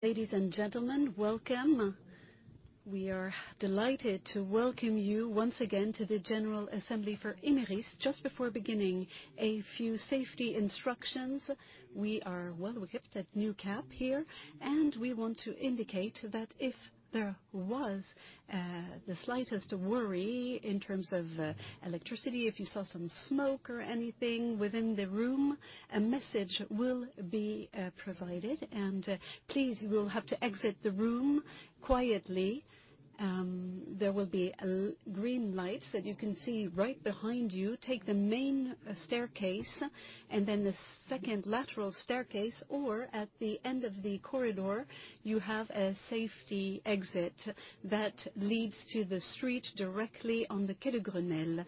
Ladies and gentlemen, welcome. We are delighted to welcome you once again to the general assembly for Imerys. Just before beginning, a few safety instructions. We are well equipped at New Cap here, we want to indicate that if there was the slightest worry in terms of electricity, if you saw some smoke or anything within the room, a message will be provided. Please, you will have to exit the room quietly. There will be a green light that you can see right behind you. Take the main staircase, then the second lateral staircase, or at the end of the corridor, you have a safety exit that leads to the street directly on the Quai de Grenelle.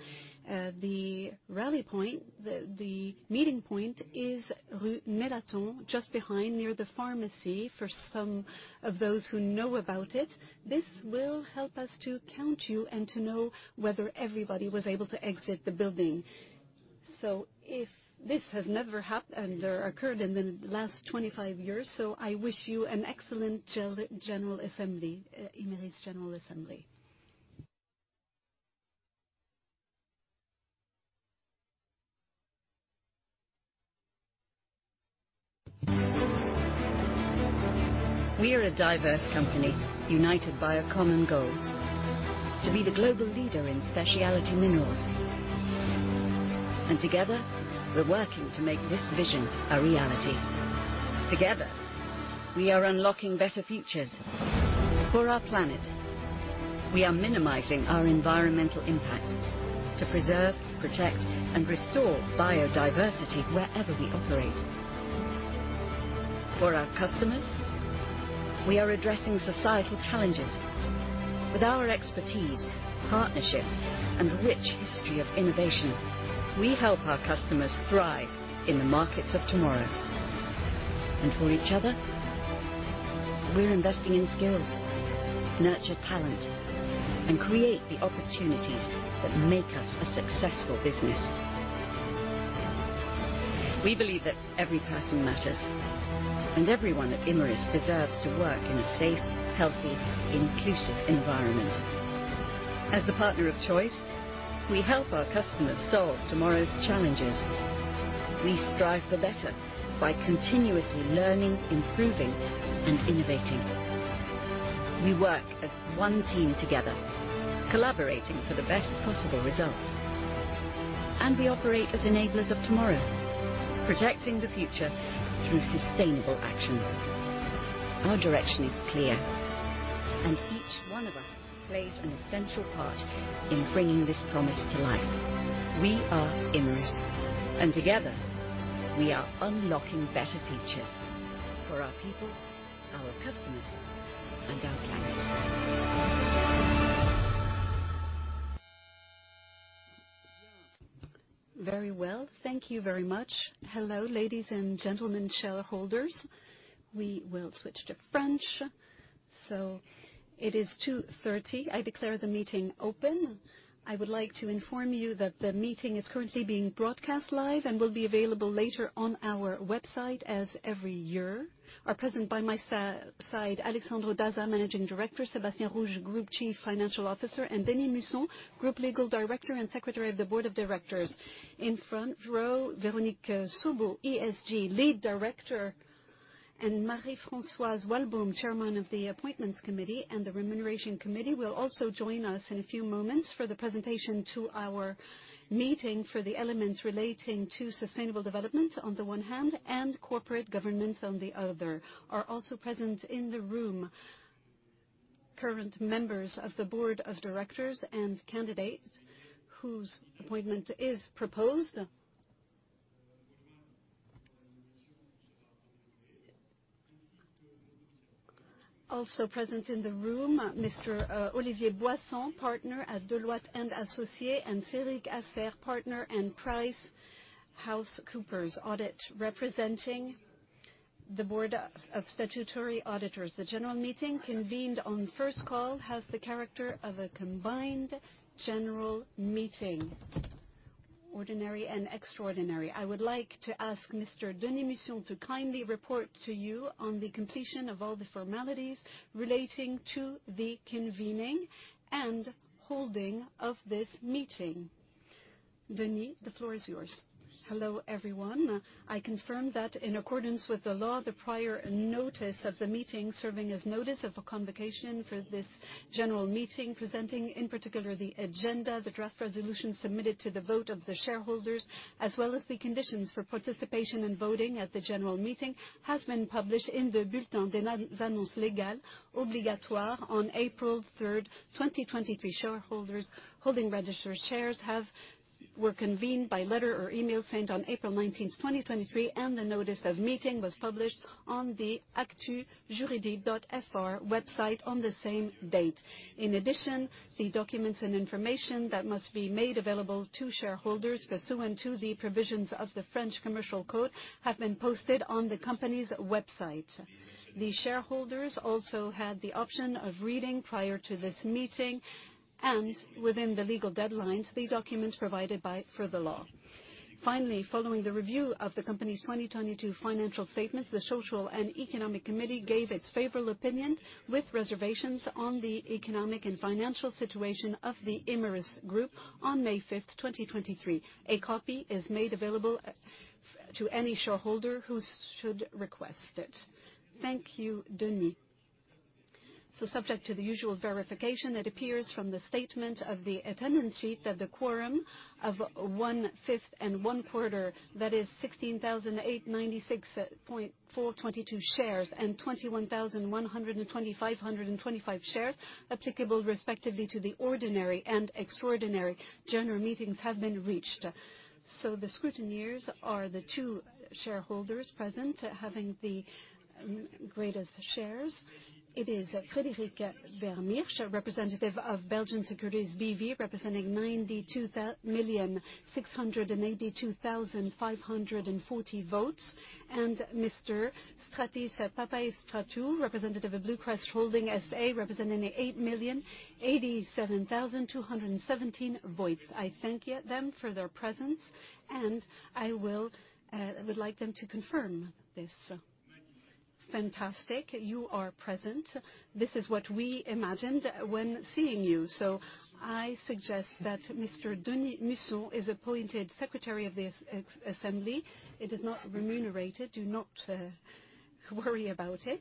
The rally point, the meeting point is Rue Nelaton, just behind near the pharmacy, for some of those who know about it. This will help us to count you and to know whether everybody was able to exit the building. If this has never occurred in the last 25 years. I wish you an excellent general assembly, Imerys General Assembly. We are a diverse company united by a common goal: to be the global leader in specialty minerals. Together, we're working to make this vision a reality. Together, we are unlocking better futures. For our planet, we are minimizing our environmental impact to preserve, protect, and restore biodiversity wherever we operate. For our customers, we are addressing societal challenges. With our expertise, partnerships, and rich history of innovation, we help our customers thrive in the markets of tomorrow. For each other, we're investing in skills, nurture talent, and create the opportunities that make us a successful business. We believe that every person matters, and everyone at Imerys deserves to work in a safe, healthy, inclusive environment. As the partner of choice, we help our customers solve tomorrow's challenges. We strive for better by continuously learning, improving, and innovating. We work as one team together, collaborating for the best possible results. We operate as enablers of tomorrow, protecting the future through sustainable actions. Our direction is clear, and each one of us plays an essential part in bringing this promise to life. We are Imerys, and together, we are unlocking better futures for our people, our customers, and our planet. Very well. Thank you very much. Hello, ladies and gentlemen, shareholders. We will switch to French. It is 2:30 P.M. I declare the meeting open. I would like to inform you that the meeting is currently being broadcast live and will be available later on our website as every year. Are present by my side, Alessandro Dazza, Managing Director, Sébastien Rouge, Group Chief Financial Officer, and Denis Musson, Group Legal Director and Secretary of the Board of Directors. In front row, Véronique Saubot, ESG Lead Director, and Marie-Françoise Walbaum, Chairman of the Appointments Committee and the Remuneration Committee, will also join us in a few moments for the presentation to our meeting for the elements relating to sustainable development on the one hand and corporate governance on the other. Are also present in the room current members of the board of directors and candidates whose appointment is proposed. Also present in the room, Mr. Olivier Boisson, Partner at Deloitte & Associés, and Cédric Hasser, Partner and PricewaterhouseCoopers Audit, representing the board of statutory auditors. The general meeting convened on first call has the character of a combined general meeting, ordinary and extraordinary. I would like to ask Mr. Denis Musson to kindly report to you on the completion of all the formalities relating to the convening and holding of this meeting. Denis, the floor is yours. Hello, everyone. I confirm that in accordance with the law, the prior notice of the meeting serving as notice of a convocation for this general meeting, presenting, in particular, the agenda, the draft resolution submitted to the vote of the shareholders, as well as the conditions for participation in voting at the general meeting, has been published in the Bulletin des annonces légales obligatoires on April 3, 2023. Shareholders holding registered shares were convened by letter or email sent on April 19, 2023. The notice of meeting was published on the actu-juridique.fr website on the same date. In addition, the documents and information that must be made available to shareholders pursuant to the provisions of the French Commercial Code have been posted on the company's website. The shareholders also had the option of reading prior to this meeting and within the legal deadlines, the documents provided for the law. Finally, following the review of the company's 2022 financial statements, the Social and Economic Committee gave its favorable opinion with reservations on the economic and financial situation of the Imerys group on May 5, 2023. A copy is made available to any shareholder who should request it. Thank you, Denis. Subject to the usual verification, it appears from the statement of the attendance sheet that the quorum of one-fifth and one-quarter, that is 16,896.422 shares and 21,125 shares applicable respectively to the ordinary and extraordinary general meetings have been reached. The scrutineers are the two shareholders present. Having the greatest shares, it is Frederic Wermers, Representative of Belgian Securities BV, representing 92 million 682,540 votes, and Mr. Stratis Papastratou, Representative of Blue Crest Holding SA, representing 8 million 87,217 votes. I thank them for their presence, and I would like them to confirm this. Fantastic. You are present. This is what we imagined when seeing you. I suggest that Mr. Denis Musson is appointed Secretary of the assembly. It is not remunerated. Do not worry about it.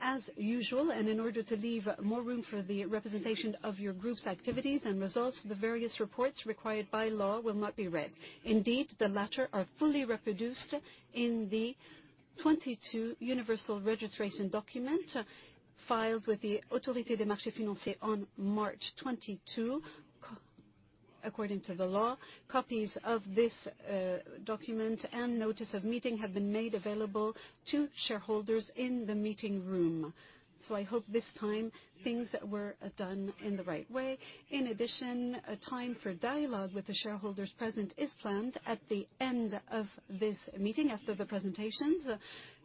As usual, and in order to leave more room for the representation of your group's activities and results, the various reports required by law will not be read. Indeed, the latter are fully reproduced in the 2022 universal registration document filed with the Autorité des Marchés Financiers on March 22. According to the law, copies of this document and notice of meeting have been made available to shareholders in the meeting room. I hope this time things were done in the right way. In addition, a time for dialogue with the shareholders present is planned at the end of this meeting after the presentations.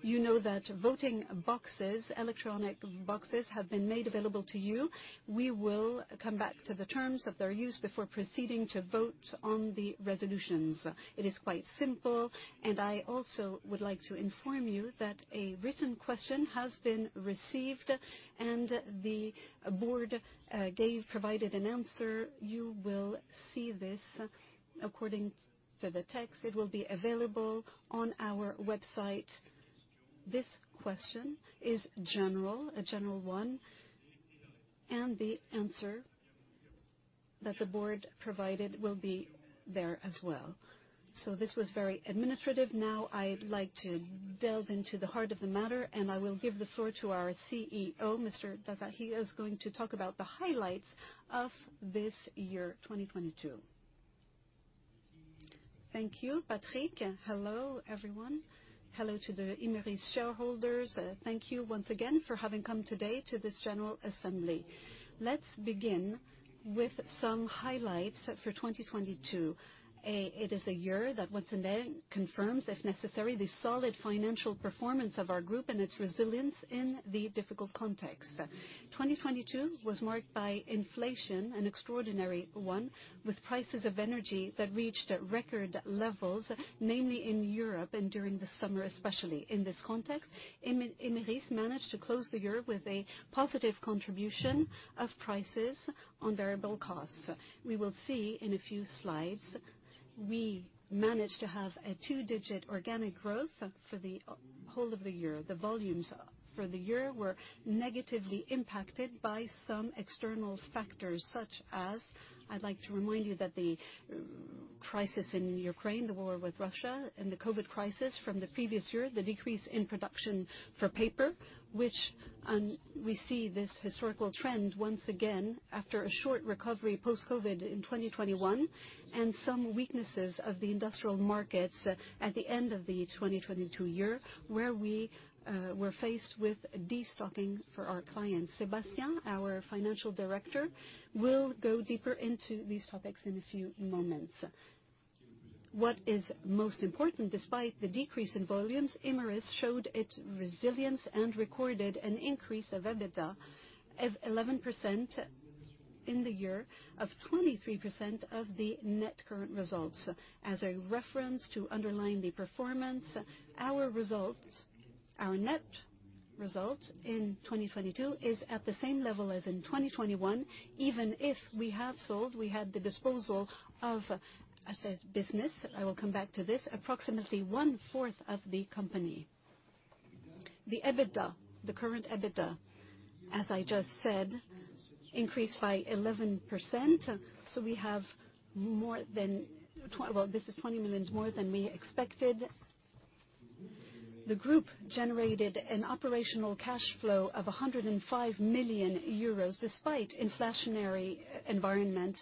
You know that voting boxes, electronic boxes, have been made available to you. We will come back to the terms of their use before proceeding to vote on the resolutions. It is quite simple. I also would like to inform you that a written question has been received and the board provided an answer. You will see this according to the text. It will be available on our website. This question is a general one. The answer that the board provided will be there as well. This was very administrative. Now I'd like to delve into the heart of the matter and I will give the floor to our CEO, Mr. Dazza. He is going to talk about the highlights of this year, 2022. Thank you, Patrick. Hello, everyone. Hello to the Imerys shareholders. Thank you once again for having come today to this general assembly. Let's begin with some highlights for 2022. It is a year that once again confirms, if necessary, the solid financial performance of our group and its resilience in the difficult context. 2022 was marked by inflation, an extraordinary one, with prices of energy that reached record levels, namely in Europe and during the summer, especially. In this context, Imerys managed to close the year with a positive contribution of prices on variable costs. We will see in a few slides. We managed to have a two-digit organic growth for the whole of the year. The volumes for the year were negatively impacted by some external factors such as... I'd like to remind you that the crisis in Ukraine, the war with Russia and the Covid crisis from the previous year, the decrease in production for paper, which, we see this historical trend once again after a short recovery post-Covid in 2021, and some weaknesses of the industrial markets at the end of the 2022 year, where we were faced with destocking for our clients. Sébastien, our Financial Director, will go deeper into these topics in a few moments. What is most important, despite the decrease in volumes, Imerys showed its resilience and recorded an increase of EBITDA of 11% in the year, of 23% of the net current results. As a reference to underline the performance, our results, our net results in 2022 is at the same level as in 2021 even if we have sold, we had the disposal of assets business. I will come back to this. Approximately one-fourth of the company. The EBITDA, the current EBITDA, as I just said, increased by 11%. We have more than Well, this is 20 million more than we expected. The group generated an operational cash flow of 105 million euros despite inflationary environment.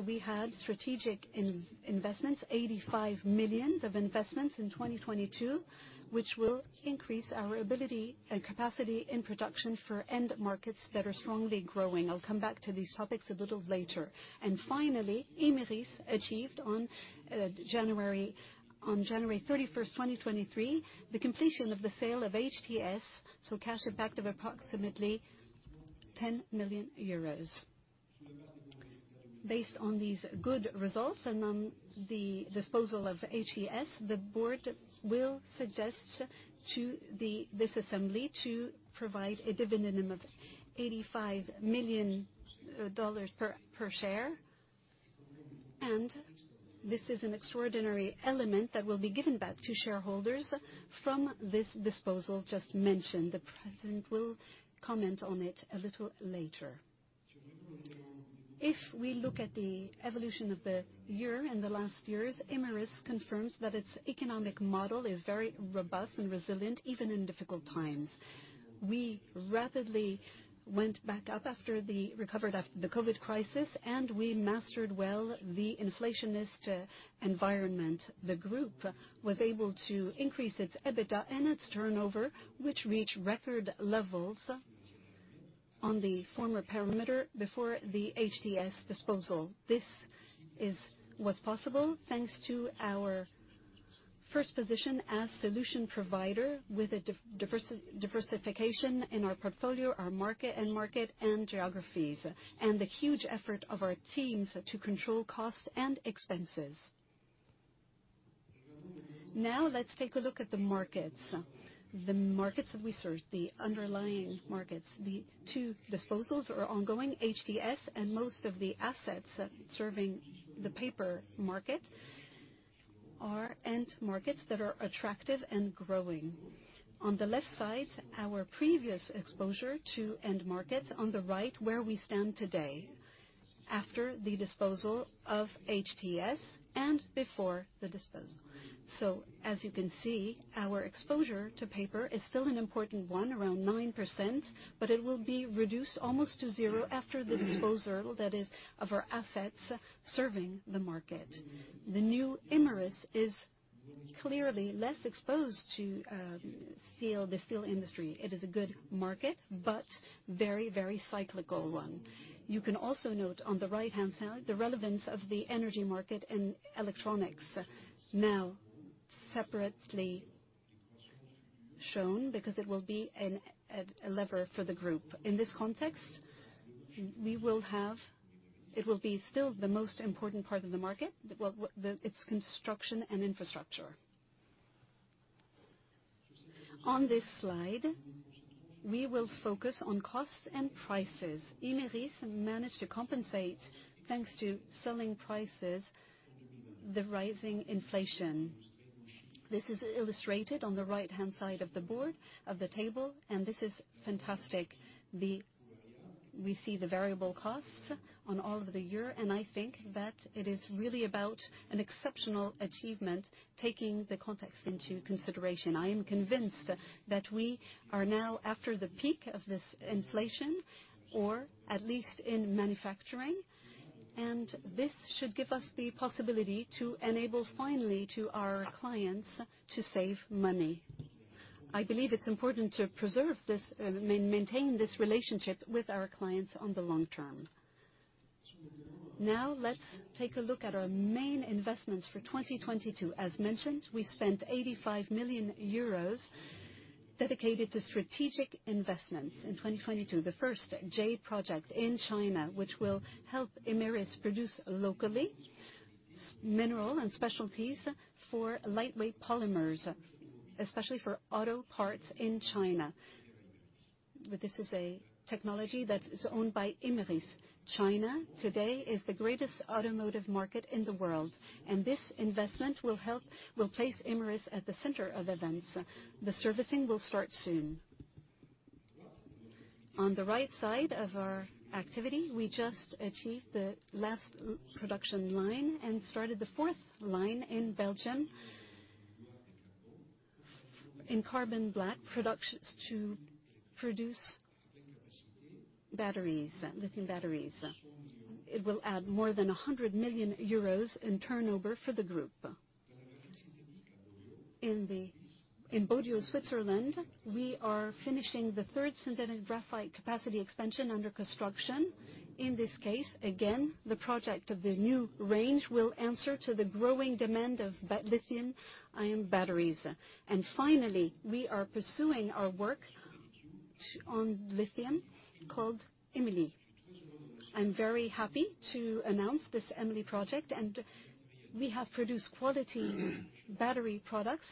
We had strategic in-investments, 85 million of investments in 2022, which will increase our ability and capacity in production for end markets that are strongly growing. I'll come back to these topics a little later. Finally, Imerys achieved on January 31st, 2023, the completion of the sale of HTS, cash impact of approximately 10 million euros. Based on these good results and on the disposal of HTS, the board will suggest to this assembly to provide a dividend of $85 million per share. This is an extraordinary element that will be given back to shareholders from this disposal just mentioned. The President will comment on it a little later. If we look at the evolution of the year and the last years, Imerys confirms that its economic model is very robust and resilient, even in difficult times. We rapidly went back up recovered after the COVID crisis, we mastered well the inflationist environment. The group was able to increase its EBITDA and its turnover, which reached record levels on the former perimeter before the HTS disposal. This was possible thanks to our first position as solution provider with a diversification in our portfolio, our market, end market and geographies, and the huge effort of our teams to control costs and expenses. Now let's take a look at the markets that we serve, the underlying markets. The two disposals are ongoing. HTS and most of the assets serving the paper market are end markets that are attractive and growing. On the left side, our previous exposure to end markets, on the right where we stand today, after the disposal of HTS and before the disposal. As you can see, our exposure to paper is still an important one, around 9%, but it will be reduced almost to zero after the disposal that is of our assets serving the market. The new Imerys is clearly less exposed to steel, the steel industry. It is a good market, but very cyclical one. You can also note on the right-hand side the relevance of the energy market and electronics now separately shown, because it will be a lever for the group. In this context, it will be still the most important part of the market. Its construction and infrastructure. On this slide, we will focus on costs and prices. Imerys managed to compensate thanks to selling prices, the rising inflation. This is illustrated on the right-hand side of the board of the table. This is fantastic. We see the variable costs on all of the year. I think that it is really about an exceptional achievement taking the context into consideration. I am convinced that we are now after the peak of this inflation, or at least in manufacturing. This should give us the possibility to enable finally to our clients to save money. I believe it's important to preserve this, maintain this relationship with our clients on the long term. Let's take a look at our main investments for 2022. As mentioned, we spent 85 million euros dedicated to strategic investments in 2022. The first Jade project in China, which will help Imerys produce locally mineral and specialties for lightweight polymers, especially for auto parts in China. This is a technology that is owned by Imerys. China today is the greatest automotive market in the world, and this investment will place Imerys at the center of events. The servicing will start soon. On the right side of our activity, we just achieved the last production line and started the fourth line in Belgium for carbon black productions to produce batteries, lithium batteries. It will add more than 100 million euros in turnover for the group. In Bodio, Switzerland, we are finishing the third synthetic graphite capacity expansion under construction. In this case, again, the project of the new range will answer to the growing demand of lithium ion batteries. Finally, we are pursuing our work on lithium called EMILI. I'm very happy to announce this EMILI project. We have produced quality battery products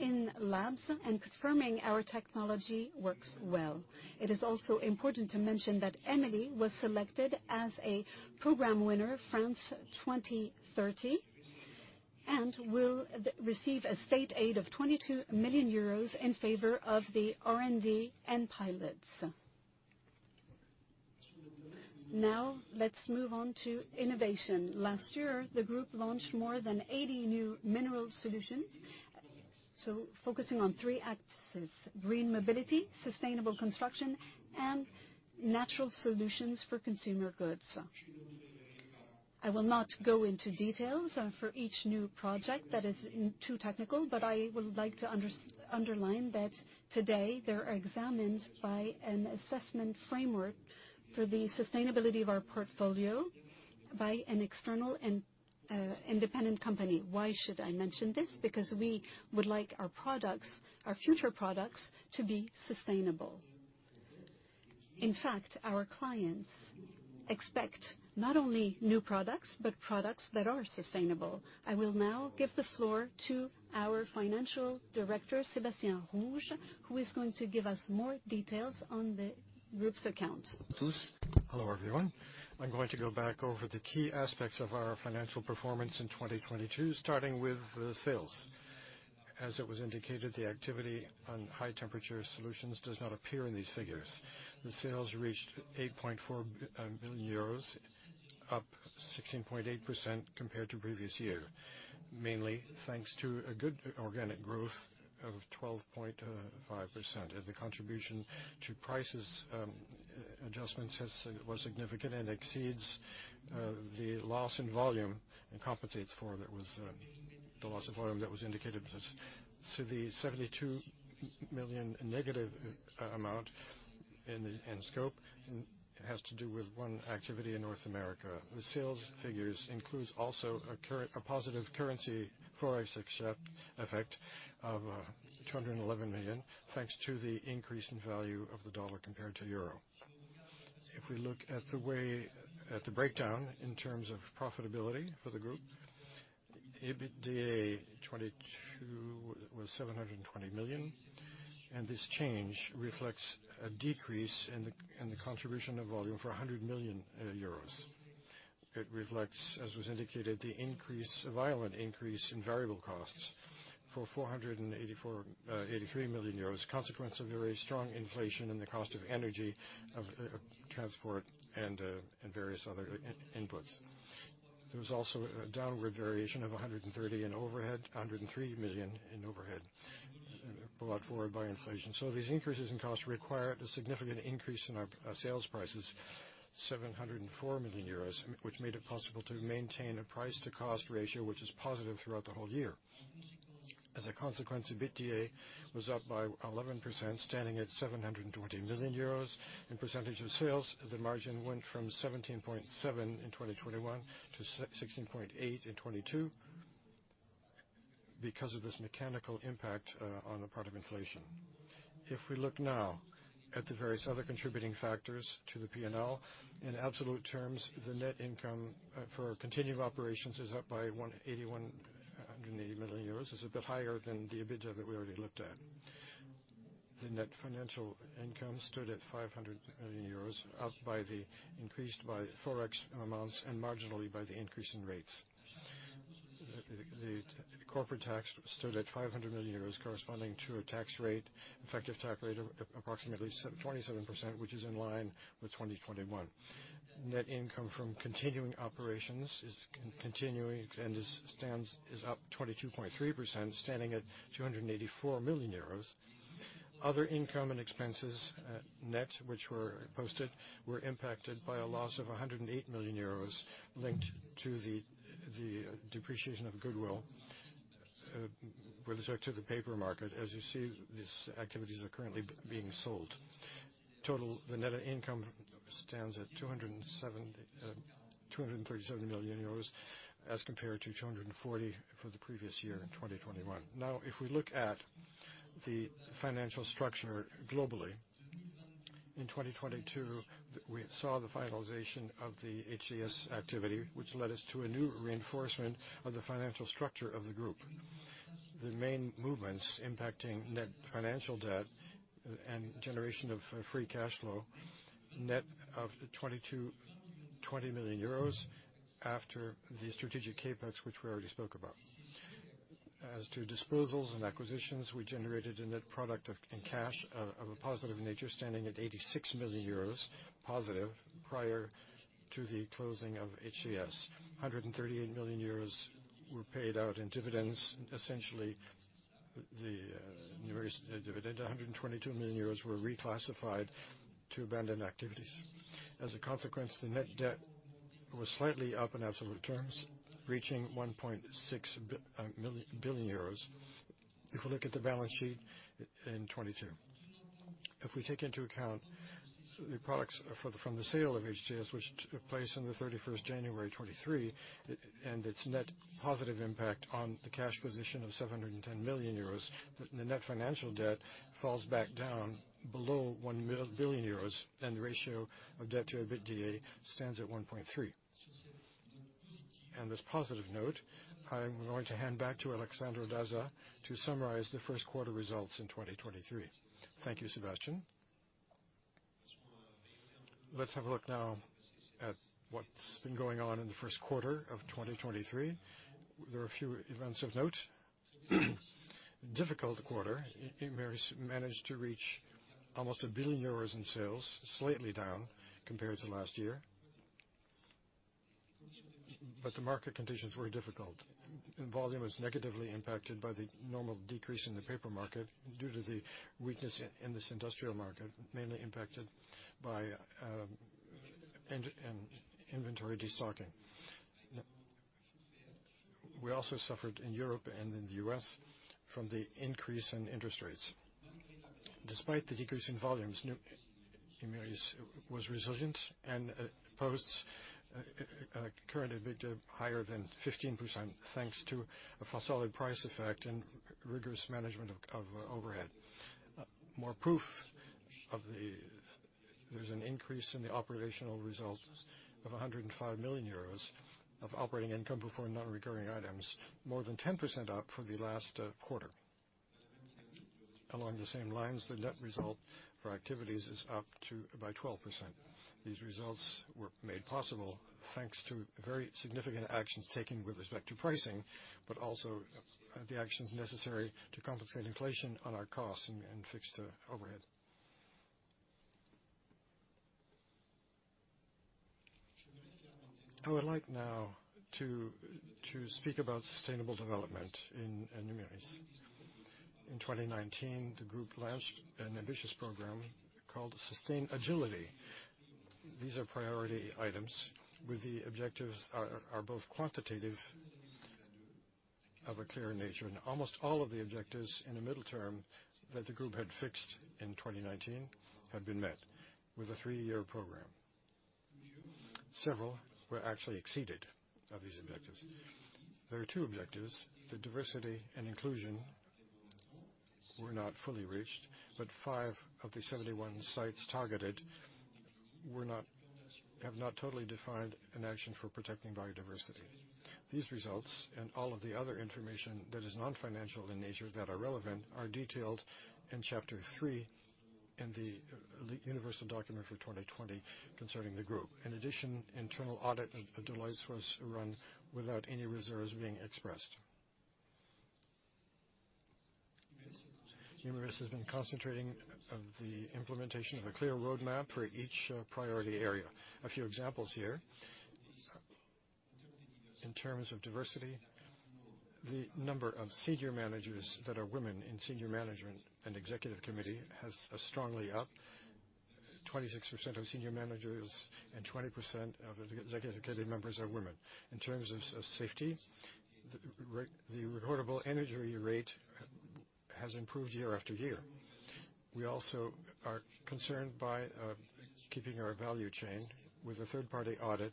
in labs and confirming our technology works well. It is also important to mention that EMILI was selected as a program winner France 2030 and will receive a state aid of 22 million euros in favor of the R&D and pilots. Let's move on to innovation. Last year, the group launched more than 80 new mineral solutions, focusing on three axes: green mobility, sustainable construction, and natural solutions for consumer goods. I will not go into details for each new project that is too technical, I would like to underline that today they're examined by an assessment framework for the sustainability of our portfolio. By an external and independent company. Why should I mention this? We would like our products, our future products, to be sustainable. In fact, our clients expect not only new products, but products that are sustainable. I will now give the floor to our Financial Director, Sébastien Rouge, who is going to give us more details on the group's accounts. Hello, everyone. I'm going to go back over the key aspects of our financial performance in 2022, starting with the sales. As it was indicated, the activity on High Temperature Solutions does not appear in these figures. The sales reached 8.4 billion euros, up 16.8% compared to previous year. Mainly thanks to a good organic growth of 12.5%. The contribution to prices adjustment was significant and exceeds the loss in volume and compensates for the loss of volume that was indicated. The 72 million negative amount in scope has to do with one activity in North America. The sales figures includes also a positive currency forex effect of 211 million, thanks to the increase in value of the dollar compared to euro. If we look at the way... At the breakdown in terms of profitability for the group, EBITDA 2022 was 720 million, and this change reflects a decrease in the, in the contribution of volume for 100 million euros. It reflects, as was indicated, the increase — violent increase in variable costs for 483 million euros, consequence of very strong inflation in the cost of energy, of transport, and and various other inputs. There was also a downward variation of 130 in overhead, 103 million in overhead brought forward by inflation. These increases in costs require a significant increase in our sales prices, 704 million euros, which made it possible to maintain a price-to-cost ratio which is positive throughout the whole year. EBITDA was up by 11%, standing at 720 million euros. In percentage of sales, the margin went from 17.7 in 2021 to 16.8 in 2022 because of this mechanical impact on the part of inflation. If we look now at the various other contributing factors to the P&L, in absolute terms, the net income for continuing operations is up by 180 million euros. It's a bit higher than the EBITDA that we already looked at. The net financial income stood at 500 million euros, up by the increase by Forex amounts and marginally by the increase in rates. The corporate tax stood at 500 million euros, corresponding to a tax rate, effective tax rate of approximately 27%, which is in line with 2021. Net income from continuing operations is continuing and is up 22.3%, standing at 284 million euros. Other income and expenses, net, which were posted, were impacted by a loss of 108 million euros linked to the depreciation of goodwill with respect to the paper market. As you see, these activities are currently being sold. Total, the net income stands at 237 million euros as compared to 240 for the previous year in 2021. Now, if we look at the financial structure globally, in 2022, we saw the finalization of the HTS activity, which led us to a new reinforcement of the financial structure of the group. The main movements impacting net financial debt and generation of free cash flow, net of 20 million euros after the strategic CapEx, which we already spoke about. As to disposals and acquisitions, we generated a net product of, in cash, of a positive nature standing at 86 million euros positive prior to the closing of HTS. 138 million euros were paid out in dividends. Essentially, the dividend, 122 million euros were reclassified to abandoned activities. As a consequence, the net debt was slightly up in absolute terms, reaching 1.6 billion euros if we look at the balance sheet in 2022. If we take into account the products from the sale of HTS, which took place on 31 January 2023, and its net positive impact on the cash position of 710 million euros, the net financial debt falls back down below 1 billion euros, and the ratio of debt to EBITDA stands at 1.3. On this positive note, I'm going to hand back to Alessandro Dazza to summarize the first quarter results in 2023. Thank you, Sébastien. Let's have a look now at what's been going on in the first quarter of 2023. There are a few events of note. Difficult quarter. Imerys managed to reach almost 1 billion euros in sales, slightly down compared to last year. The market conditions were difficult. Volume was negatively impacted by the normal decrease in the paper market due to the weakness in this industrial market, mainly impacted by inventory de-stocking. We also suffered in Europe and in the U.S. from the increase in interest rates. Despite the decrease in volumes, Numérice was resilient and posts a current EBITDA higher than 15% thanks to a solid price effect and rigorous management of overhead. There's an increase in the operational results of 105 million euros of operating income before non-recurring items, more than 10% up for the last quarter. Along the same lines, the net result for activities is up by 12%. These results were made possible thanks to very significant actions taken with respect to pricing, but also the actions necessary to compensate inflation on our costs and fixed overhead. I would like now to speak about sustainable development in Numérice. In 2019, the group launched an ambitious program called SustainAgility. These are priority items where the objectives are both quantitative of a clear nature, almost all of the objectives in the middle term that the group had fixed in 2019 have been met with a three-year program. Several were actually exceeded of these objectives. There are two objectives. The diversity and inclusion were not fully reached, five of the 71 sites targeted have not totally defined an action for protecting biodiversity. These results and all of the other information that is non-financial in nature that are relevant are detailed in chapter three in the universal document for 2020 concerning the group. Internal audit at Deloitte was run without any reserves being expressed. Numérice has been concentrating of the implementation of a clear roadmap for each priority area. A few examples here. In terms of diversity, the number of senior managers that are women in senior management and executive committee are strongly up. 26% of senior managers and 20% of executive committee members are women. In terms of safety, the recordable injury rate has improved year after year. We also are concerned by keeping our value chain with a third-party audit.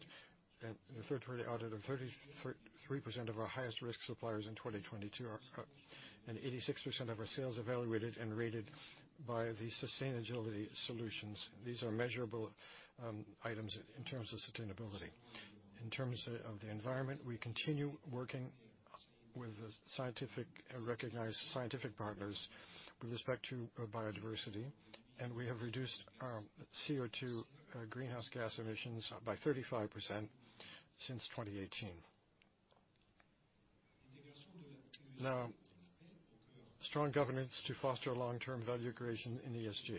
The third party audit of 33% of our highest risk suppliers in 2022 are up, and 86% of our sales evaluated and rated by the SustainAgility solutions. These are measurable items in terms of sustainability. In terms of the environment, we continue working with the scientific, recognized scientific partners with respect to biodiversity, we have reduced our CO₂ greenhouse gas emissions by 35% since 2018. Strong governance to foster long-term value creation in ESG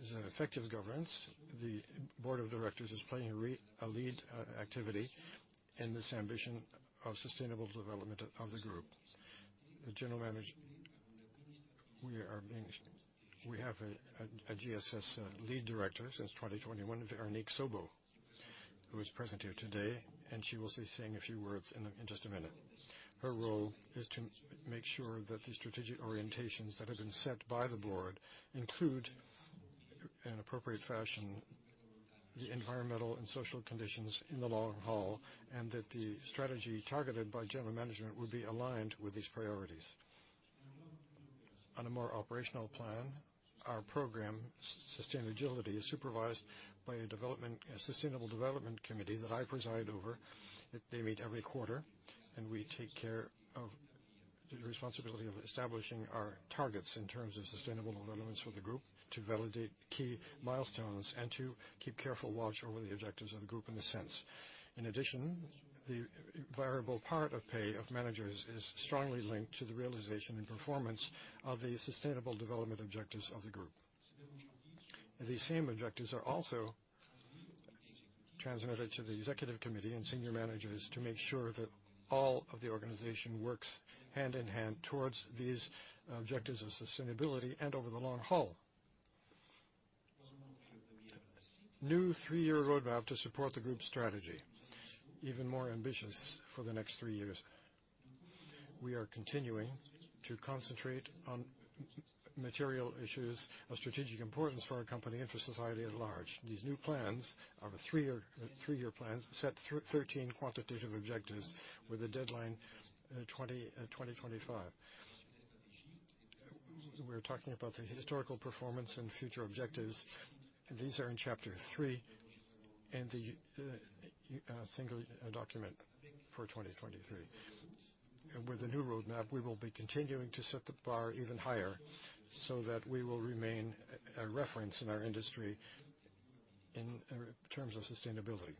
is an effective governance. The board of directors is playing a lead activity in this ambition of sustainable development of the group. We have a ESG lead director since 2021, Véronique Saubot, who is present here today, she will be saying a few words in just a minute. Her role is to make sure that the strategic orientations that have been set by the board include, in appropriate fashion, the environmental and social conditions in the long haul, that the strategy targeted by general management will be aligned with these priorities. On a more operational plan, our program, SustainAgility, is supervised by a sustainable development committee that I preside over. They meet every quarter. We take care of the responsibility of establishing our targets in terms of sustainable relevance for the group, to validate key milestones, and to keep careful watch over the objectives of the group in this sense. In addition, the variable part of pay of managers is strongly linked to the realization and performance of the sustainable development objectives of the group. These same objectives are also transmitted to the executive committee and senior managers to make sure that all of the organization works hand-in-hand towards these objectives of sustainability and over the long haul. New three-year roadmap to support the group's strategy, even more ambitious for the next three years. We are continuing to concentrate on material issues of strategic importance for our company and for society at large. These new plans are the three-year plans set 13 quantitative objectives with a deadline 2025. We're talking about the historical performance and future objectives. These are in chapter 3 in the single document for 2023. With the new roadmap, we will be continuing to set the bar even higher so that we will remain a reference in our industry in terms of sustainability.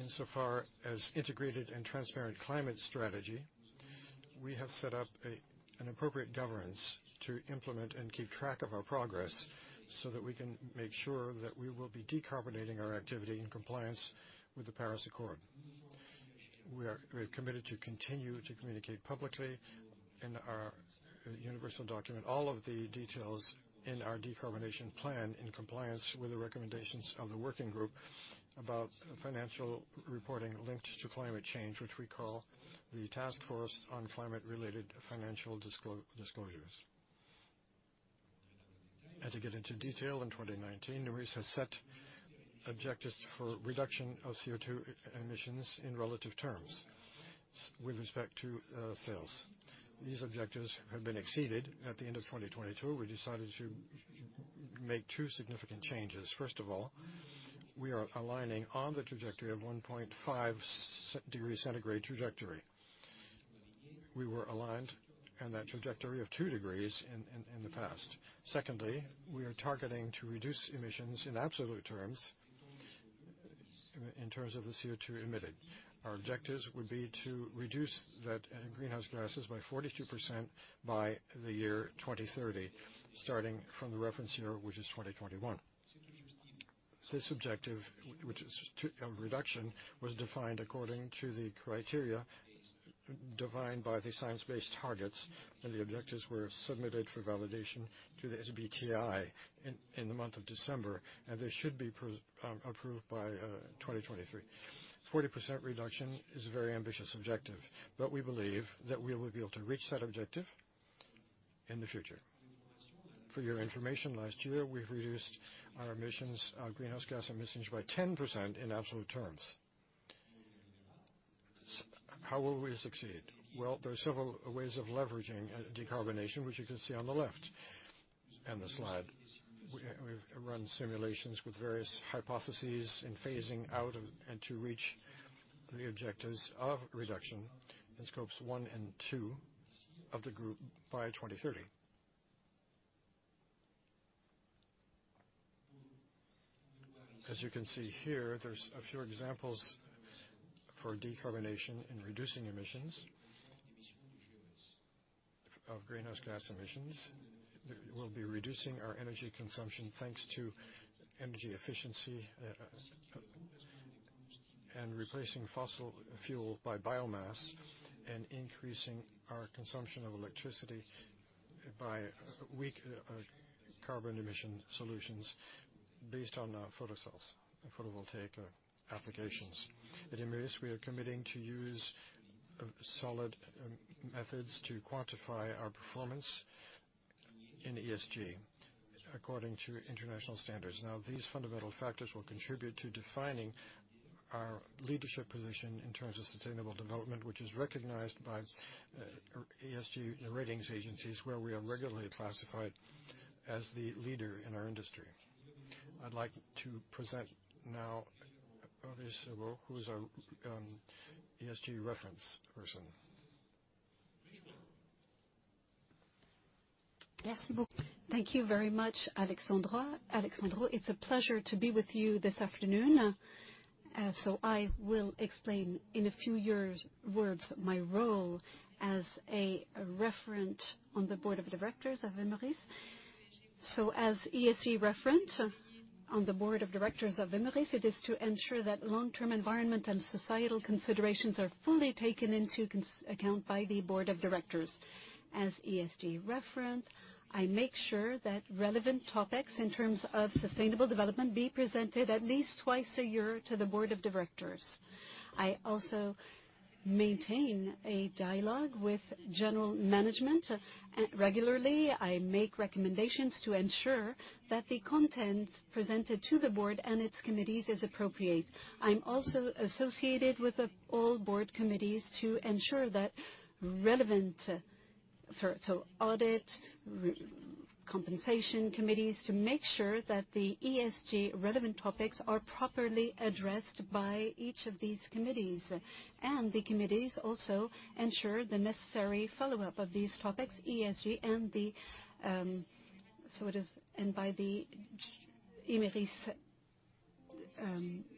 Insofar as integrated and transparent climate strategy, we have set up an appropriate governance to implement and keep track of our progress so that we can make sure that we will be decarbonating our activity in compliance with the Paris Agreement. We are committed to continue to communicate publicly in our universal document all of the details in our decarbonization plan in compliance with the recommendations of the working group about financial reporting linked to climate change, which we call the Task Force on Climate-related Financial Disclosures. To get into detail, in 2019, Imerys has set objectives for reduction of CO2 emissions in relative terms with respect to sales. These objectives have been exceeded. At the end of 2022, we decided to make two significant changes. First of all, we are aligning on the trajectory of 1.5 degree centigrade trajectory. We were aligned on that trajectory of 2 degrees in the past. Secondly, we are targeting to reduce emissions in absolute terms in terms of the CO₂ emitted. Our objectives would be to reduce that greenhouse gases by 42% by the year 2030, starting from the reference year, which is 2021. This objective, which is to reduction, was defined according to the criteria defined by the science-based targets, and the objectives were submitted for validation to the SBTi in the month of December, and they should be approved by 2023. 40% reduction is a very ambitious objective, we believe that we will be able to reach that objective in the future. For your information, last year, we've reduced our emissions, our greenhouse gas emissions, by 10% in absolute terms. How will we succeed? Well, there are several ways of leveraging decarbonation, which you can see on the left on the slide. We've run simulations with various hypotheses in phasing out and to reach the objectives of reduction in Scopes 1 and 2 of the group by 2030. As you can see here, there's a few examples for decarbonation in reducing emissions of greenhouse gas emissions. We will be reducing our energy consumption thanks to energy efficiency, and replacing fossil fuel by biomass and increasing our consumption of electricity by weak carbon emission solutions based on photocells and photovoltaic applications. At Imerys, we are committing to use solid methods to quantify our performance in ESG according to international standards. These fundamental factors will contribute to defining our leadership position in terms of sustainable development, which is recognized by our ESG ratings agencies, where we are regularly classified as the leader in our industry. I'd like to present now Aurélie Sabot, who is our ESG reference person. Thank you very much, Alexandre. Alexandre, it's a pleasure to be with you this afternoon. I will explain in a few words my role as a referent on the board of directors of Imerys. As ESG referent on the board of directors of Imerys, it is to ensure that long-term environment and societal considerations are fully taken into account by the board of directors. As ESG referent, I make sure that relevant topics in terms of sustainable development be presented at least twice a year to the board of directors. I also maintain a dialogue with general management. Regularly, I make recommendations to ensure that the content presented to the board and its committees is appropriate. I'm also associated with the all board committees to ensure that relevant. Audit, compensation committees to make sure that the ESG-relevant topics are properly addressed by each of these committees. The committees also ensure the necessary follow-up of these topics, ESG and by the Imerys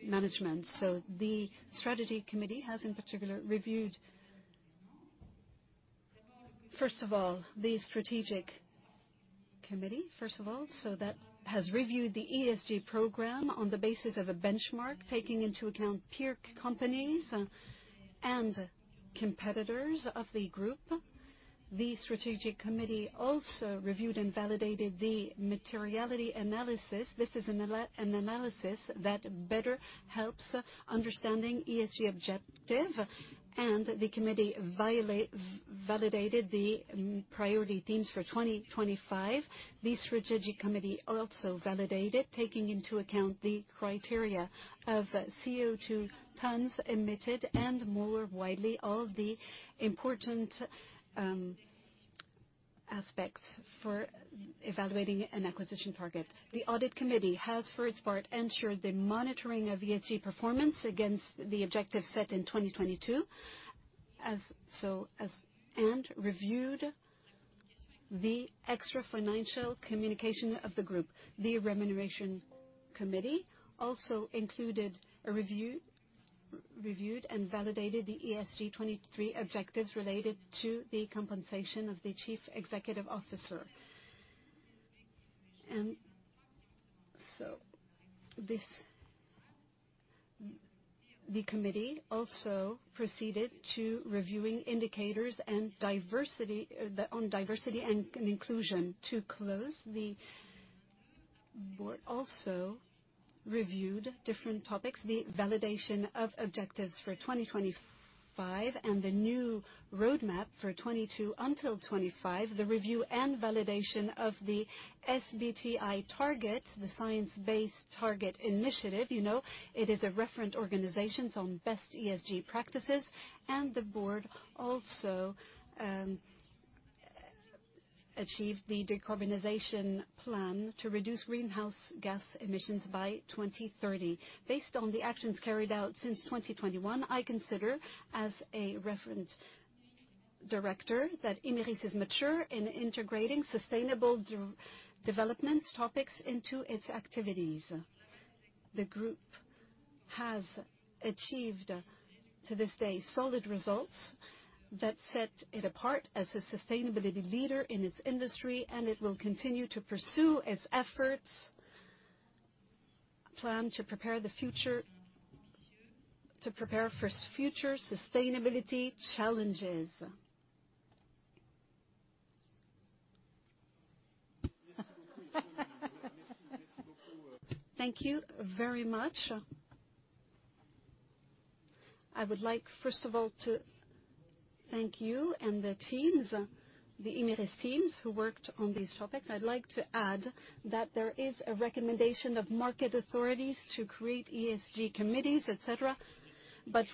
management. The strategy committee has, in particular, reviewed the ESG program on the basis of a benchmark, taking into account peer companies and competitors of the group. The strategic committee also reviewed and validated the materiality analysis. This is an analysis that better helps understanding ESG objective, the committee validated the priority themes for 2025. The strategy committee also validated, taking into account the criteria of CO₂ tons emitted and more widely all the important aspects for evaluating an acquisition target. The Audit Committee has, for its part, ensured the monitoring of ESG performance against the objective set in 2022 and reviewed the extra-financial communication of the group. The Remuneration Committee also included a review, reviewed and validated the ESG 2023 objectives related to the compensation of the Chief Executive Officer. The Committee also proceeded to reviewing indicators on diversity and inclusion. To close, the Board also reviewed different topics, the validation of objectives for 2025 and the new roadmap for 2022 until 2025, the review and validation of the SBTi target, the Science Based Targets initiative. You know, it is a referent organizations on best ESG practices, and the Board also achieved the decarbonization plan to reduce greenhouse gas emissions by 2030. Based on the actions carried out since 2021, I consider, as a referent director, that Imerys is mature in integrating sustainable development topics into its activities. The group has achieved, to this day, solid results that set it apart as a sustainability leader in its industry, and it will continue to pursue its efforts, plan to prepare for future sustainability challenges. Thank you very much. I would like, first of all, to thank you and the teams, the Imerys teams, who worked on these topics. I'd like to add that there is a recommendation of market authorities to create ESG committees, et cetera,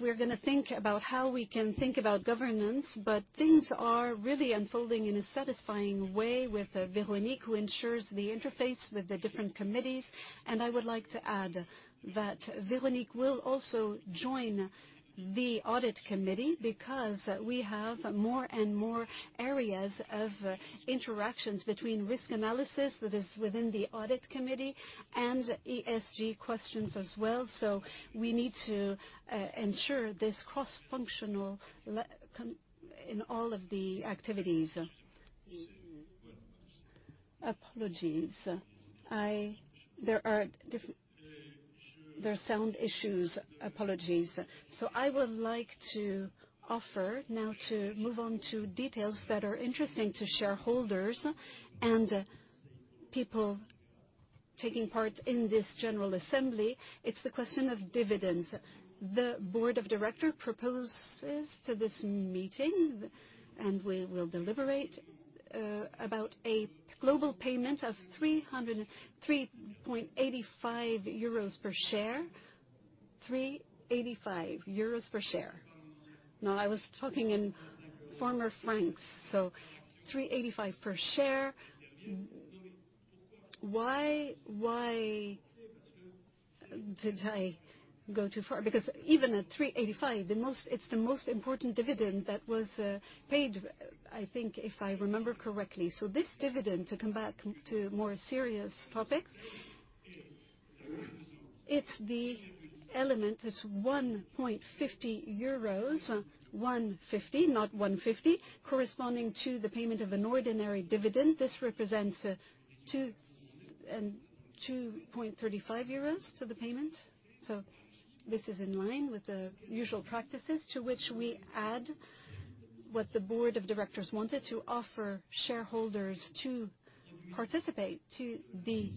we're gonna think about how we can think about governance. Things are really unfolding in a satisfying way with Véronique, who ensures the interface with the different committees. I would like to add that Véronique will also join the Audit Committee because we have more and more areas of interactions between risk analysis, that is within the Audit Committee, and ESG questions as well. We need to ensure there's cross-functional In all of the activities. Apologies. There are sound issues. Apologies. I would like to offer now to move on to details that are interesting to shareholders and people taking part in this general assembly. It's the question of dividends. The Board of Directors proposes to this meeting, we will deliberate about a global payment of 3.85 euros per share. 3.85 euros per share. I was talking in former francs, 3.85 per share. Why did I go too far? Because even at 3.85, it's the most important dividend that was paid, I think, if I remember correctly. This dividend, to come back to more serious topics, it's the element that's 1.50 euros, 1.50, not 1.50, corresponding to the payment of an ordinary dividend. This represents 2.35 euros to the payment. This is in line with the usual practices, to which we add what the Board of Directors wanted to offer shareholders to participate to the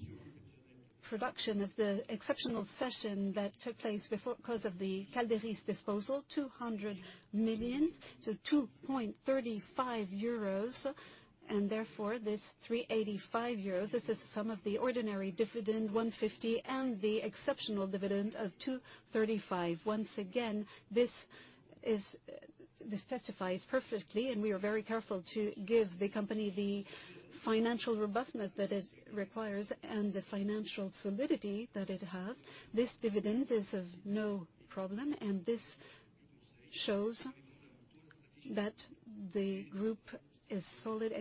production of the exceptional session that took place before 'cause of the Calderys disposal, 200 million, so 2.35 euros. Therefore, this 3.85 euros is the sum of the ordinary dividend, 1.50, and the exceptional dividend of 2.35. Once again, this testifies perfectly. We are very careful to give the company the financial robustness that is requires and the financial solidity that it has. This dividend is of no problem. This shows that the group is solid,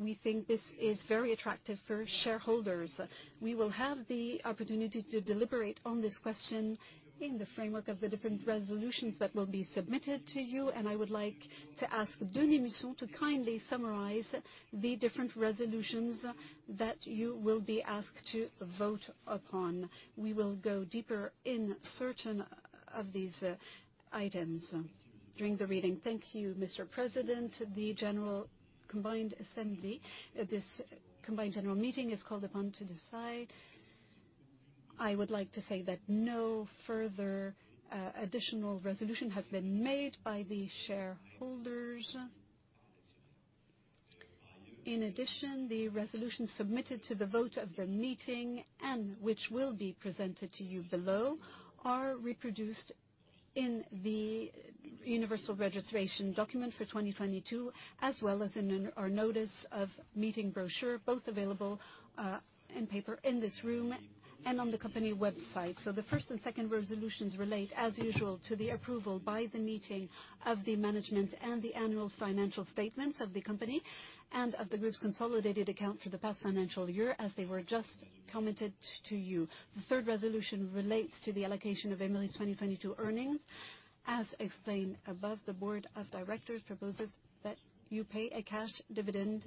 we think this is very attractive for shareholders. We will have the opportunity to deliberate on this question in the framework of the different resolutions that will be submitted to you. I would like to ask Denis Musson to kindly summarize the different resolutions that you will be asked to vote upon. We will go deeper in certain of these items during the reading. Thank you, Mr. President. The general combined assembly, this combined general meeting is called upon to decide. I would like to say that no further additional resolution has been made by the shareholders. In addition, the resolutions submitted to the vote of the meeting, and which will be presented to you below, are reproduced in the universal registration document for 2022, as well as in an, our notice of meeting brochure, both available in paper in this room and on the company website. The first and second resolutions relate, as usual, to the approval by the meeting of the management and the annual financial statements of the company and of the group's consolidated account for the past financial year, as they were just commented to you. The third resolution relates to the allocation of Imerys' 2022 earnings. As explained above, the board of directors proposes that you pay a cash dividend.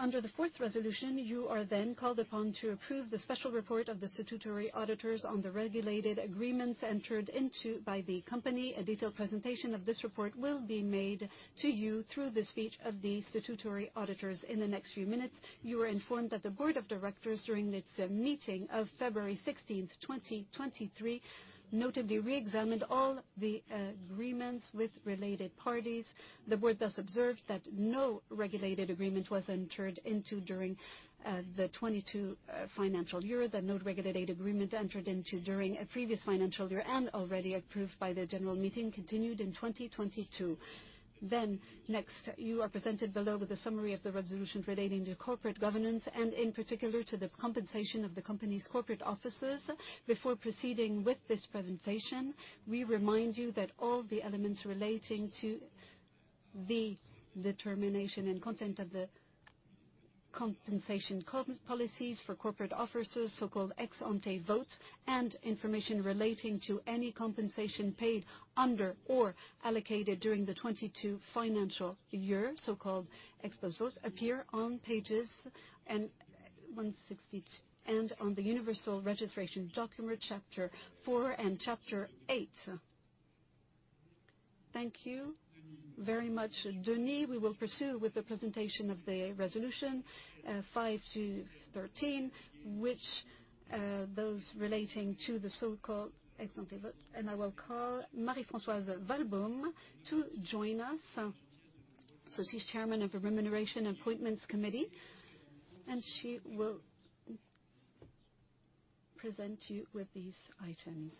Under the fourth resolution, you are then called upon to approve the special report of the statutory auditors on the regulated agreements entered into by the company. A detailed presentation of this report will be made to you through the speech of the statutory auditors in the next few minutes. You are informed that the board of directors, during its meeting of February 16th, 2023, notably re-examined all the agreements with related parties. The board thus observed that no regulated agreement was entered into during the 2022 financial year. No regulated agreement entered into during a previous financial year and already approved by the general meeting continued in 2022. You are presented below with a summary of the resolution relating to corporate governance and in particular to the compensation of the company's corporate officers. Before proceeding with this presentation, we remind you that all the elements relating to the determination and content of the compensation policies for corporate officers, so-called ex-ante votes and information relating to any compensation paid under or allocated during the 2022 financial year, so-called ex post votes, appear on pages one sixty-t- and on the Universal Registration Document, chapter four and chapter eight. Thank you very much. Denis we will pursue with the presentation of the resolution, 5 to 13, which, those relating to the so-called ex-ante vote. I will call Marie-Françoise Walbaum to join us. She's Chairman of the Remuneration and Appointments Committee, and she will present you with these items.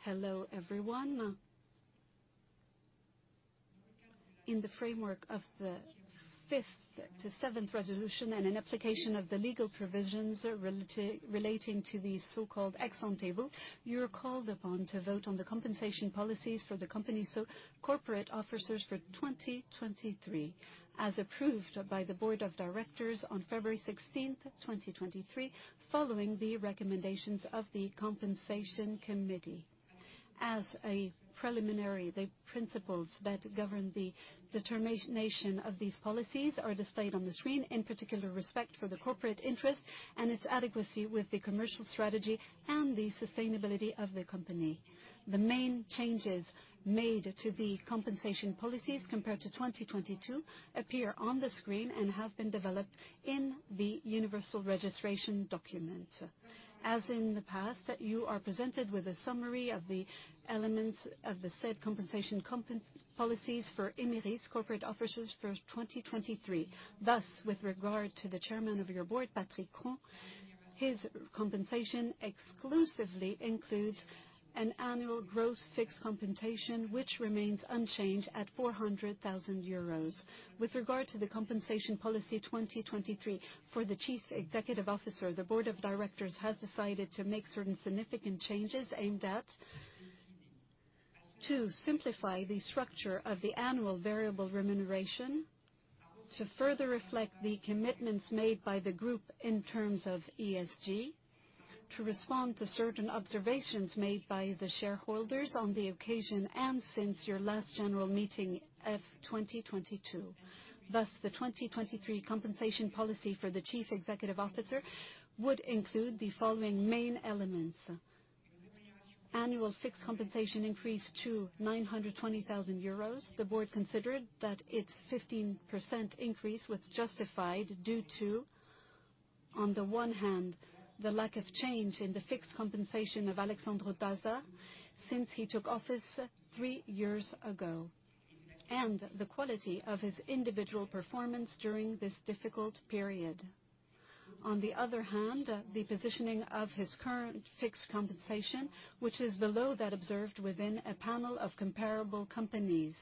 Hello, everyone. In the framework of the fifth to seventh resolution and in application of the legal provisions relating to the so-called ex-ante vote, you're called upon to vote on the compensation policies for the company's corporate officers for 2023, as approved by the Board of Directors on February 16th, 2023, following the recommendations of the Compensation Committee. As a preliminary, the principles that govern the determination of these policies are displayed on the screen, in particular, respect for the corporate interest and its adequacy with the commercial strategy and the sustainability of the company. The main changes made to the compensation policies compared to 2022 appear on the screen and have been developed in the Universal Registration Document. As in the past, you are presented with a summary of the elements of the said compensation policies for Imerys corporate officers for 2023. With regard to the chairman of your board, Patrick Kron, his compensation exclusively includes an annual gross fixed compensation which remains unchanged at 400,000 euros. With regard to the compensation policy 2023 for the chief executive officer, the board of directors has decided to make certain significant changes aimed at: to simplify the structure of the annual variable remuneration, to further reflect the commitments made by the group in terms of ESG, to respond to certain observations made by the shareholders on the occasion and since your last general meeting of 2022. The 2023 compensation policy for the chief executive officer would include the following main elements: annual fixed compensation increase to 920,000 euros. The board considered that its 15% increase was justified due to, on the one hand, the lack of change in the fixed compensation of Alessandro Dazza since he took office three years ago, and the quality of his individual performance during this difficult period. On the other hand, the positioning of his current fixed compensation, which is below that observed within a panel of comparable companies.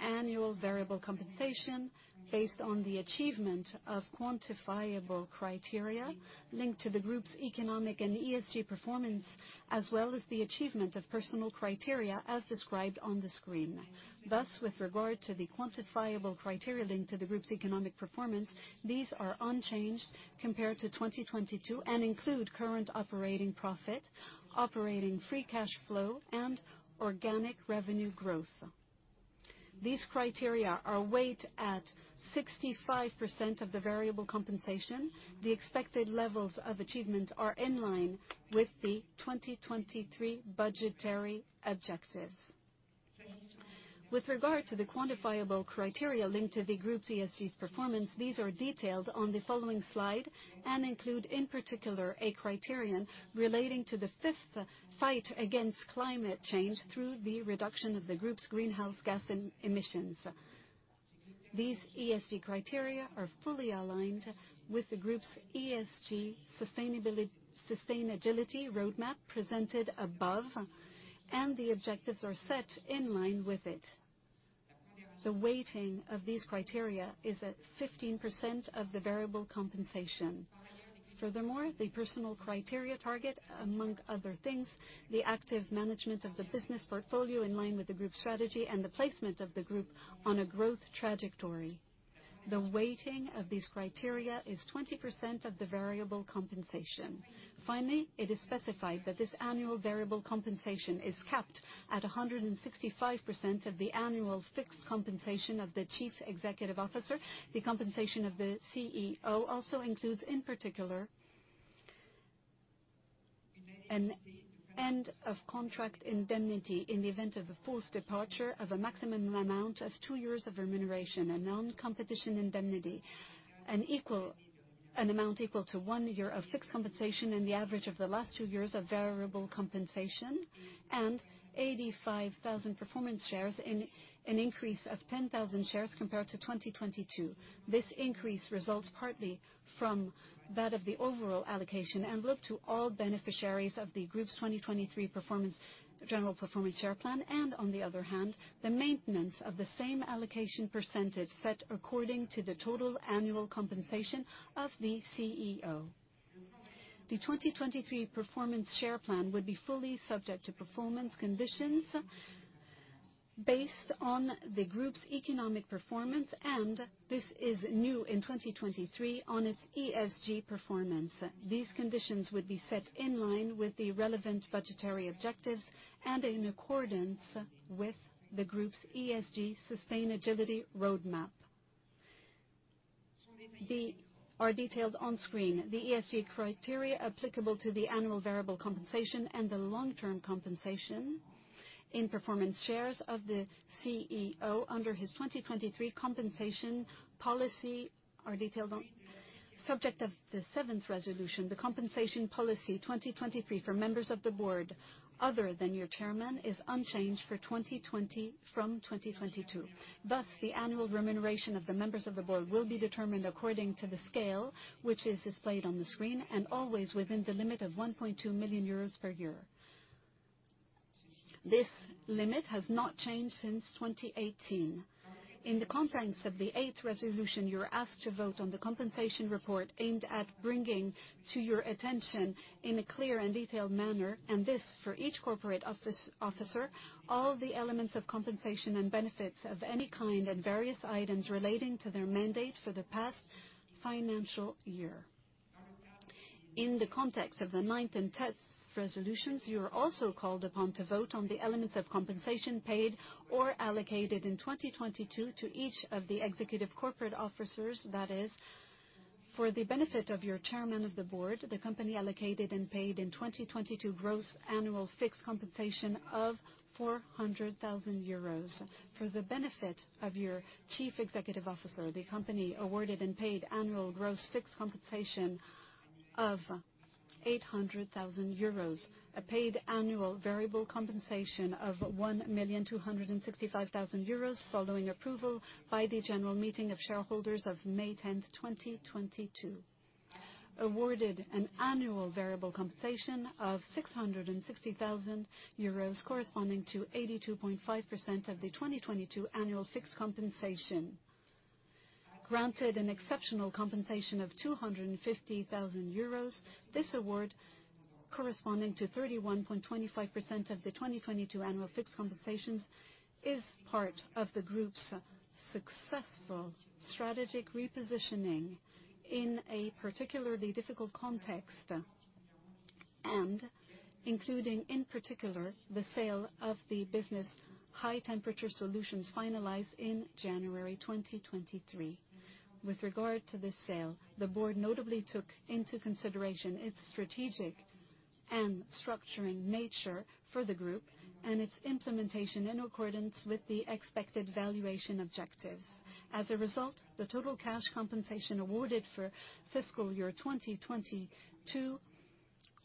Annual variable compensation based on the achievement of quantifiable criteria linked to the group's economic and ESG performance, as well as the achievement of personal criteria as described on the screen. Thus, with regard to the quantifiable criteria linked to the group's economic performance, these are unchanged compared to 2022 and include current operating profit, operating free cash flow, and organic revenue growth. These criteria are weighed at 65% of the variable compensation. The expected levels of achievement are in line with the 2023 budgetary objectives. Regarding the quantifiable criteria linked to the group's ESG performance, these are detailed on the following slide and include, in particular, a criterion relating to the fifth fight against climate change through the reduction of the group's greenhouse gas emissions. These ESG criteria are fully aligned with the group's SustainAgility roadmap presented above, the objectives are set in line with it. The weighting of these criteria is at 15% of the variable compensation. Furthermore, the personal criteria target, among other things, the active management of the business portfolio in line with the group's strategy and the placement of the group on a growth trajectory. The weighting of these criteria is 20% of the variable compensation. Finally, it is specified that this annual variable compensation is capped at 165% of the annual fixed compensation of the Chief Executive Officer. The compensation of the CEO also includes, in particular, an end of contract indemnity in the event of a forced departure of a maximum amount of 2 years of remuneration, a non-competition indemnity, an amount equal to 1 year of fixed compensation, and the average of the last 2 years of variable compensation and 85,000 performance shares, an increase of 10,000 shares compared to 2022. This increase results partly from that of the overall allocation envelope to all beneficiaries of the group's 2023 general performance share plan and on the other hand, the maintenance of the same allocation percentage set according to the total annual compensation of the CEO. The 2023 performance share plan would be fully subject to performance conditions based on the group's economic performance, and this is new in 2023 on its ESG performance. These conditions would be set in line with the relevant budgetary objectives and in accordance with the group's ESG sustainability roadmap. The are detailed on screen. The ESG criteria applicable to the annual variable compensation and the long-term compensation in performance shares of the CEO under his 2023 compensation policy are detailed on... Subject of the 7th resolution, the compensation policy, 2023, for members of the board other than your chairman, is unchanged for 2020 from 2022. Thus, the annual remuneration of the members of the board will be determined according to the scale which is displayed on the screen and always within the limit of 1.2 million euros per year. This limit has not changed since 2018. In the conference of the eighth resolution, you are asked to vote on the compensation report aimed at bringing to your attention, in a clear and detailed manner, and this for each corporate officer, all the elements of compensation and benefits of any kind and various items relating to their mandate for the past financial year. In the context of the ninth and 10th resolutions, you are also called upon to vote on the elements of compensation paid or allocated in 2022 to each of the executive corporate officers. That is, for the benefit of your chairman of the board, the company allocated and paid in 2022 gross annual fixed compensation of 400,000 euros. For the benefit of your chief executive officer, the company awarded and paid annual gross fixed compensation of 800,000 euros, a paid annual variable compensation of 1,265,000 euros following approval by the general meeting of shareholders of May 10, 2022. Awarded an annual variable compensation of 660,000 euros, corresponding to 82.5% of the 2022 annual fixed compensation. Granted an exceptional compensation of 250,000 euros. This award, corresponding to 31.25% of the 2022 annual fixed compensations, is part of the group's successful strategic repositioning in a particularly difficult context, and including, in particular, the sale of the business High Temperature Solutions finalized in January 2023. With regard to this sale, the board notably took into consideration its strategic and structuring nature for the group and its implementation in accordance with the expected valuation objectives. As a result, the total cash compensation awarded for fiscal year 2022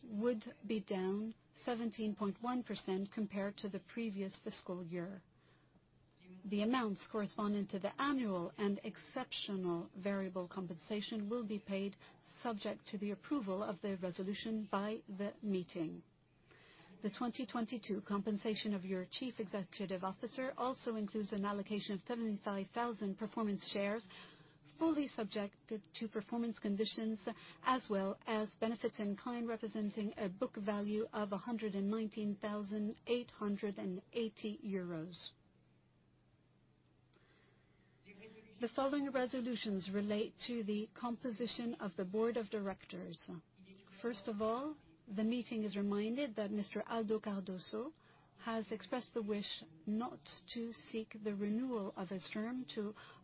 would be down 17.1% compared to the previous fiscal year. The amounts corresponding to the annual and exceptional variable compensation will be paid subject to the approval of the resolution by the meeting. The 2022 compensation of your chief executive officer also includes an allocation of 75,000 performance shares, fully subjected to performance conditions as well as benefits in kind, representing a book value of 119,880 euros. The following resolutions relate to the composition of the board of directors. The meeting is reminded that Mr. Aldo Cardoso has expressed the wish not to seek the renewal of his term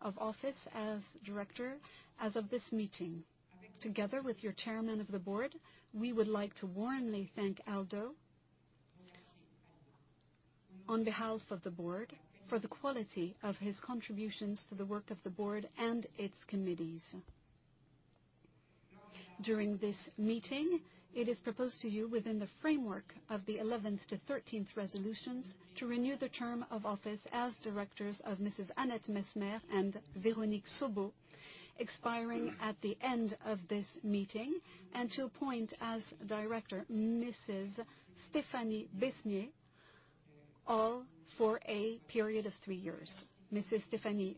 of office as director as of this meeting. Together with your chairman of the board, we would like to warmly thank Aldo, on behalf of the board, for the quality of his contributions to the work of the board and its committees. During this meeting, it is proposed to you within the framework of the eleventh to thirteenth resolutions to renew the term of office as directors of Mrs. Annette Messemer and Véronique Saubot, expiring at the end of this meeting, and to appoint as director Mrs. Stéphanie Besnier, all for a period of three years. Stéphanie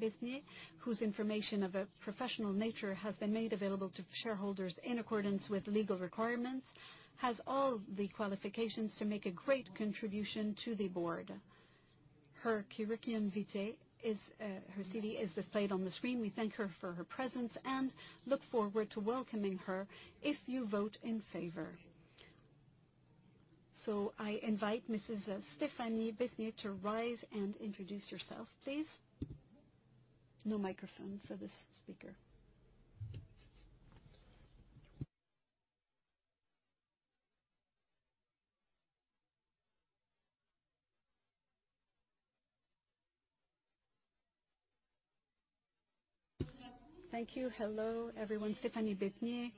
Besnier, whose information of a professional nature has been made available to shareholders in accordance with legal requirements, has all the qualifications to make a great contribution to the board. Her curriculum vitae is, her CV is displayed on the screen. We thank her for her presence and look forward to welcoming her if you vote in favor. I invite Mrs. Stéphanie Besnier to rise and introduce yourself, please. No microphone for this speaker. Thank you. Hello, everyone. Stéphanie Besnier.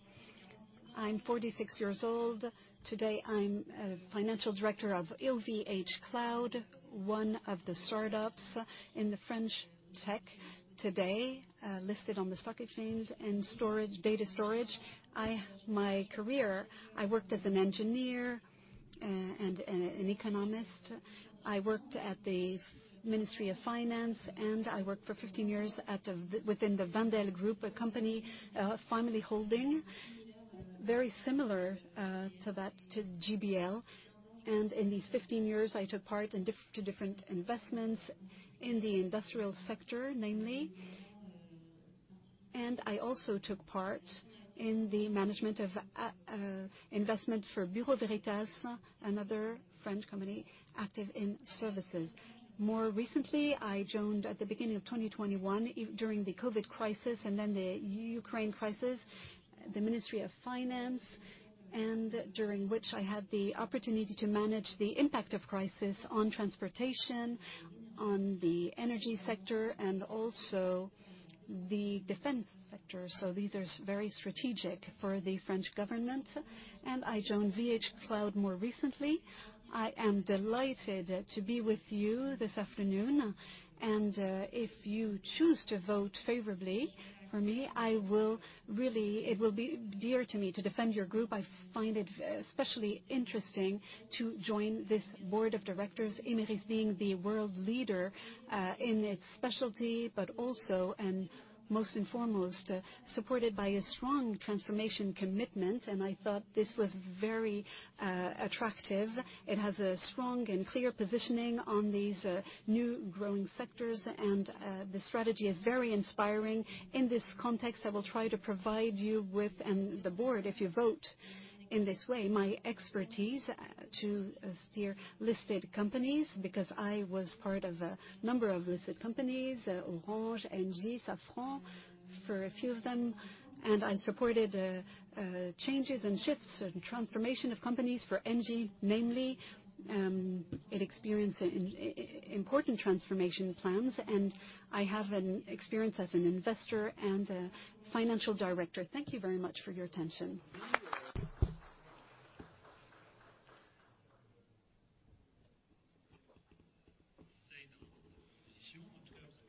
I'm 46 years old. Today, I'm financial director of OVH Cloud, one of the startups in the French tech today, listed on the stock exchange and storage, data storage. My career, I worked as an engineer and an economist. I worked at the Ministry of Finance. I worked for 15 years within the WendelGroup, a company, family holding, very similar to that, to GBL. In these 15 years, I took part in different investments in the industrial sector, namely. I also took part in the management of investment for Bureau Veritas, another French company active in services. More recently, I joined at the beginning of 2021, during the COVID crisis and then the Ukraine crisis, the Ministry of Finance, during which I had the opportunity to manage the impact of crisis on transportation, on the energy sector, and also the defense sector. These are very strategic for the French government. I joined OVH Cloud more recently. I am delighted to be with you this afternoon, if you choose to vote favorably for me, it will be dear to me to defend your group. I find it especially interesting to join this board of directors, Imerys being the world leader in its specialty, but also, and most and foremost, supported by a strong transformation commitment, and I thought this was very attractive. It has a strong and clear positioning on these new growing sectors, and the strategy is very inspiring. In this context, I will try to provide you with, and the board, if you vote in this way, my expertise to steer listed companies, because I was part of a number of listed companies, Orange, ENGIE, Safran, for a few of them, and I supported changes and shifts and transformation of companies for ENGIE namely. It experienced important transformation plans, and I have an experience as an investor and a financial director. Thank you very much for your attention.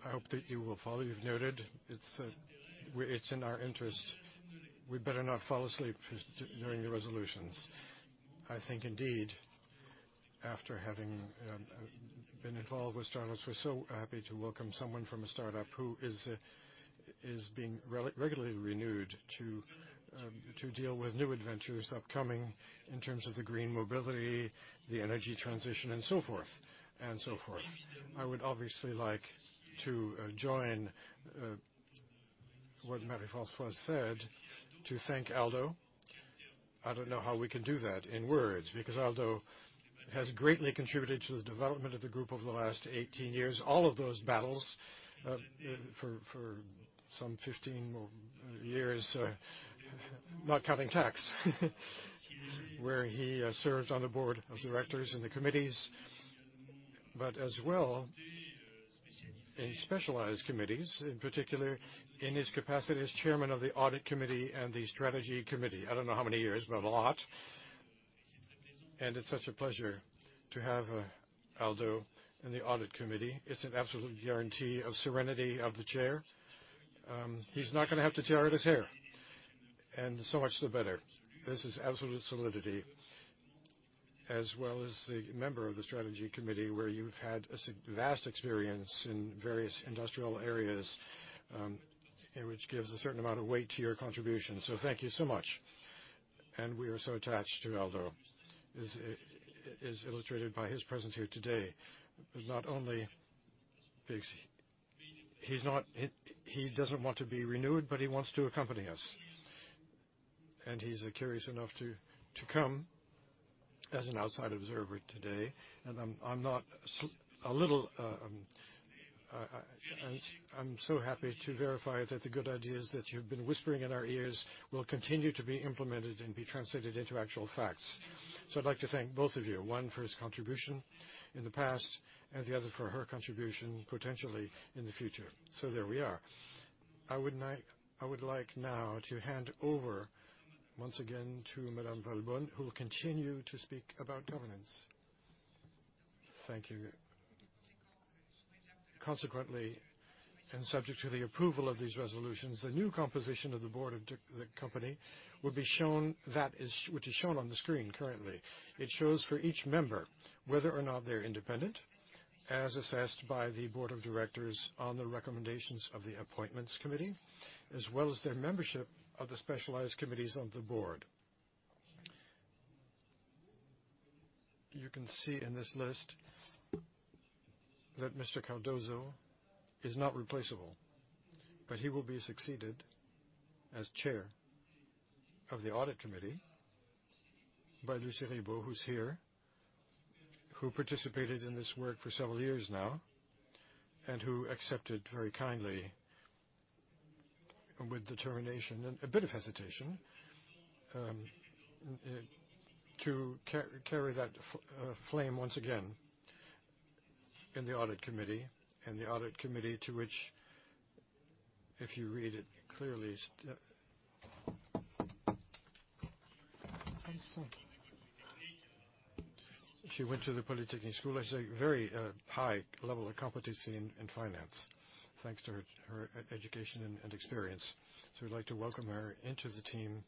I hope that you will follow. You've noted it's in our interest. We better not fall asleep during the resolutions. I think indeed, after having been involved with startups, we're so happy to welcome someone from a startup who is regularly renewed to deal with new adventures upcoming in terms of the green mobility, the energy transition, and so forth, and so forth. I would obviously like to join what Marie-Françoise said, to thank Aldo. I don't know how we can do that in words, because Aldo has greatly contributed to the development of the group over the last 18 years. All of those battles, for some 15 years, not counting tax where he serves on the Board of Directors in the committees, but as well in specialized committees, in particular in his capacity as Chairman of the Audit Committee and the Strategy Committee. I don't know how many years, but a lot. It's such a pleasure to have Aldo in the Audit Committee. It's an absolute guarantee of serenity of the chair. He's not gonna have to tear out his hair, so much the better. This is absolute solidity. As well as the member of the Strategy Committee, where you've had a vast experience in various industrial areas, which gives a certain amount of weight to your contribution. Thank you so much. We are so attached to Aldo, as is illustrated by his presence here today. Not only he doesn't want to be renewed, but he wants to accompany us. He's curious enough to come as an outside observer today. I'm not a little, I'm so happy to verify that the good ideas that you've been whispering in our ears will continue to be implemented and be translated into actual facts. I'd like to thank both of you, one for his contribution in the past and the other for her contribution, potentially in the future. There we are. I would like now to hand over once again to Madame Walbaum, who will continue to speak about governance. Thank you. Consequently, and subject to the approval of these resolutions, the new composition of the board of the company will be shown... That is, which is shown on the screen currently. It shows for each member whether or not they're independent, as assessed by the board of directors on the recommendations of the appointments committee, as well as their membership of the specialized committees of the board. You can see in this list that Mr. Dazza is not replaceable, but he will be succeeded as chair of the audit committee by Lucile Ribot, who's here, who participated in this work for several years now, and who accepted very kindly and with determination and a bit of hesitation, to carry that flame once again in the audit committee. The audit committee to which, if you read it clearly. She went to the École Polytechnique, has a very high level of competency in finance, thanks to her education and experience. We'd like to welcome her into the team,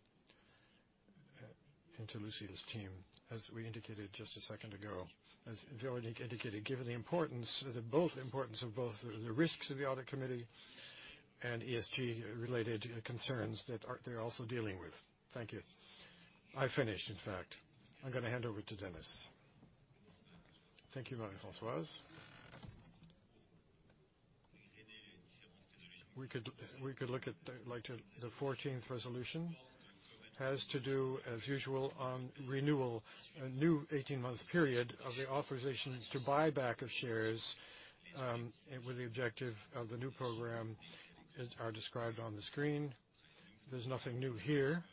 into Lucile's team, as we indicated just a second ago. As Valerie indicated, given the importance of both the risks of the audit committee and ESG-related concerns that they're also dealing with. Thank you. I've finished, in fact. I'm going to hand over to Denis. Thank you, Marie-Françoise. We could look at the 14th resolution. Has to do as usual on renewal, a new 18-month period of the authorizations to buyback of shares, with the objective of the new program, as are described on the screen. There's nothing new here.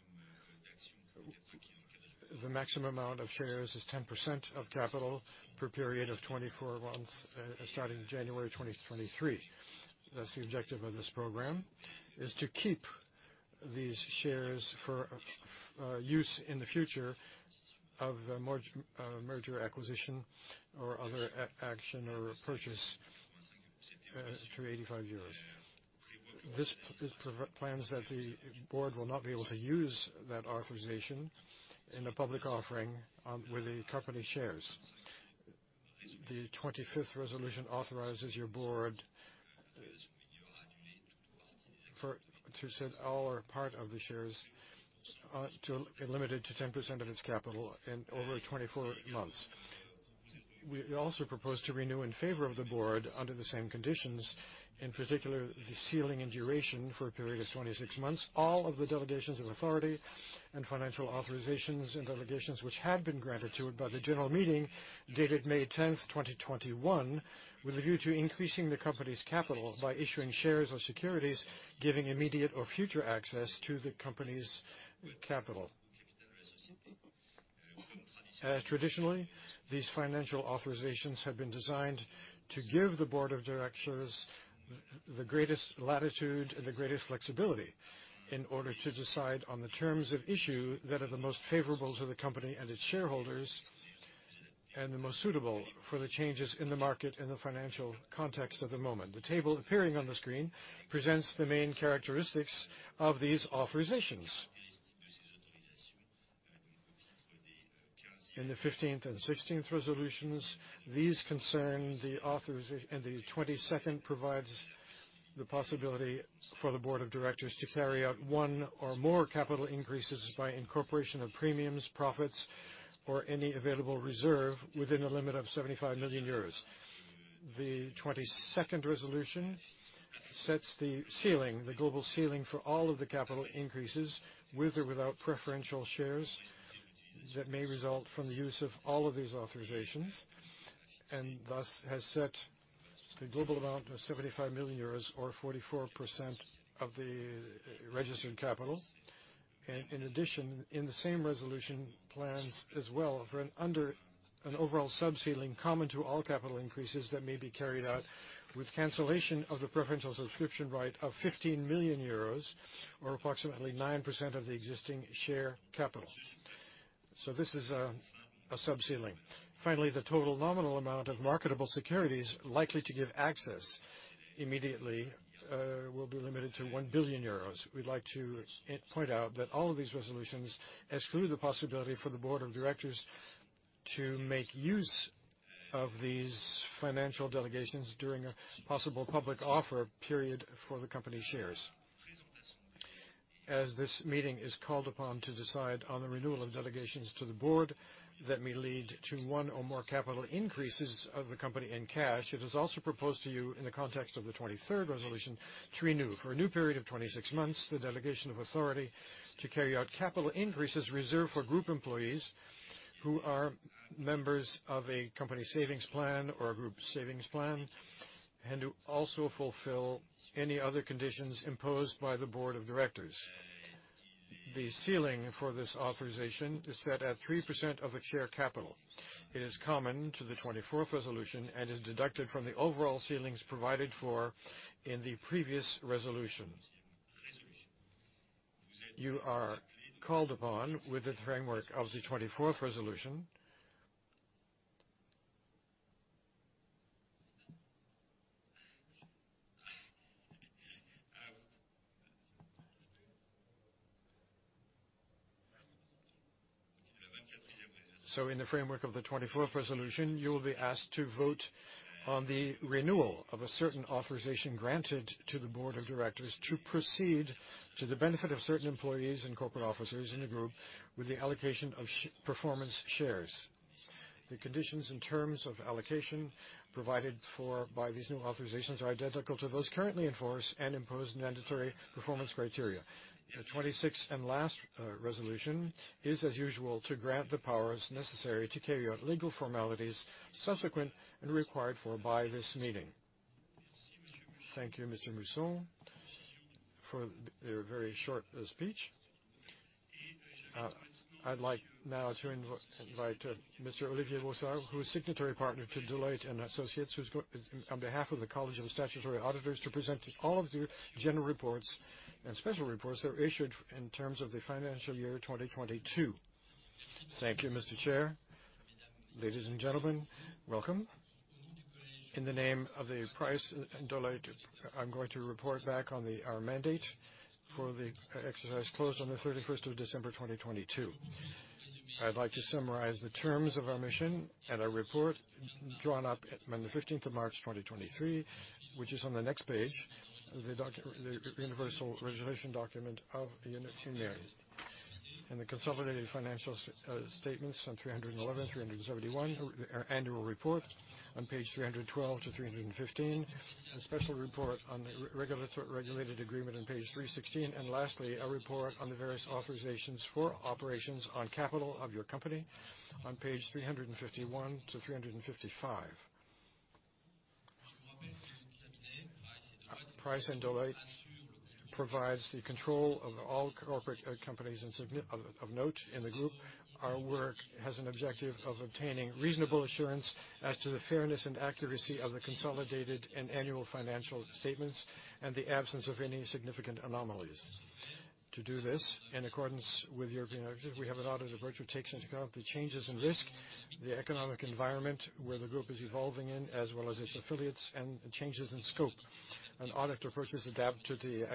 The maximum amount of shares is 10% of capital per period of 24 months, starting January 2023. Thus, the objective of this program is to keep these shares for use in the future of a merge, merger acquisition or other action or purchase through 85 euros. This plans that the board will not be able to use that authorization in a public offering with the company shares. The 25th resolution authorizes your board to sell all or part of the shares limited to 10% of its capital in over 24 months. We also propose to renew in favor of the board under the same conditions, in particular, the ceiling and duration for a period of 26 months, all of the delegations of authority and financial authorizations and delegations which had been granted to it by the general meeting dated May 10, 2021, with a view to increasing the company's capital by issuing shares or securities, giving immediate or future access to the company's capital. Traditionally, these financial authorizations have been designed to give the board of directors the greatest latitude and the greatest flexibility in order to decide on the terms of issue that are the most favorable to the company and its shareholders, and the most suitable for the changes in the market in the financial context of the moment. The table appearing on the screen presents the main characteristics of these authorizations. In the 15th and 16th resolutions, these concern the authors, and the 22nd provides the possibility for the board of directors to carry out one or more capital increases by incorporation of premiums, profits, or any available reserve within a limit of 75 million euros. The 22nd resolution sets the ceiling, the global ceiling for all of the capital increases, with or without preferential shares that may result from the use of all of these authorizations, and thus has set the global amount of 75 million euros or 44% of the registered capital. In addition, in the same resolution, plans as well for an overall subceiling common to all capital increases that may be carried out with cancellation of the preferential subscription right of 15 million euros, or approximately 9% of the existing share capital. This is a subceiling. Finally, the total nominal amount of marketable securities likely to give access immediately, will be limited to 1 billion euros. We'd like to point out that all of these resolutions exclude the possibility for the board of directors to make use of these financial delegations during a possible public offer period for the company shares. As this meeting is called upon to decide on the renewal of delegations to the board that may lead to one or more capital increases of the company in cash, it is also proposed to you in the context of the 23rd resolution to renew for a new period of 26 months the delegation of authority to carry out capital increases reserved for group employees who are members of a company savings plan or a group savings plan, and who also fulfill any other conditions imposed by the board of directors. The ceiling for this authorization is set at 3% of the share capital. It is common to the 24th resolution and is deducted from the overall ceilings provided for in the previous resolution. In the framework of the 24th resolution, you will be asked to vote on the renewal of a certain authorization granted to the board of directors to proceed to the benefit of certain employees and corporate officers in the group with the allocation of performance shares. The conditions and terms of allocation provided for by these new authorizations are identical to those currently in force and impose mandatory performance criteria. The 26th and last resolution is, as usual, to grant the powers necessary to carry out legal formalities subsequent and required for by this meeting. Thank you, Mr. Musson, for your very short speech. I'd like now to invite Mr. Olivier Bosar, who is signatory partner to Deloitte & Associés, who's on behalf of the College of Statutory Auditors, to present all of the general reports and special reports that are issued in terms of the financial year 2022. Thank you, Mr. Chair. Ladies and gentlemen, welcome. In the name of the PricewaterhouseCoopers Audit and Deloitte & Associés, I'm going to report back on our mandate for the exercise closed on the 31st of December 2022. I'd like to summarize the terms of our mission and our report drawn up on the 15th of March 2023, which is on the next page, the Universal Registration Document of Imerys. In the consolidated financial statements on 311, 371, our annual report on page 312-315, a special report on the regulated agreement on page 316, lastly, a report on the various authorizations for operations on capital of your company on page 351-355. PricewaterhouseCoopers and Deloitte provides the control of all corporate companies and of note in the group. Our work has an objective of obtaining reasonable assurance as to the fairness and accuracy of the consolidated and annual financial statements and the absence of any significant anomalies. To do this, in accordance with European directive, we have an audit approach which takes into account the changes in risk, the economic environment where the group is evolving in, as well as its affiliates and changes in scope. An audit approach is adapted to the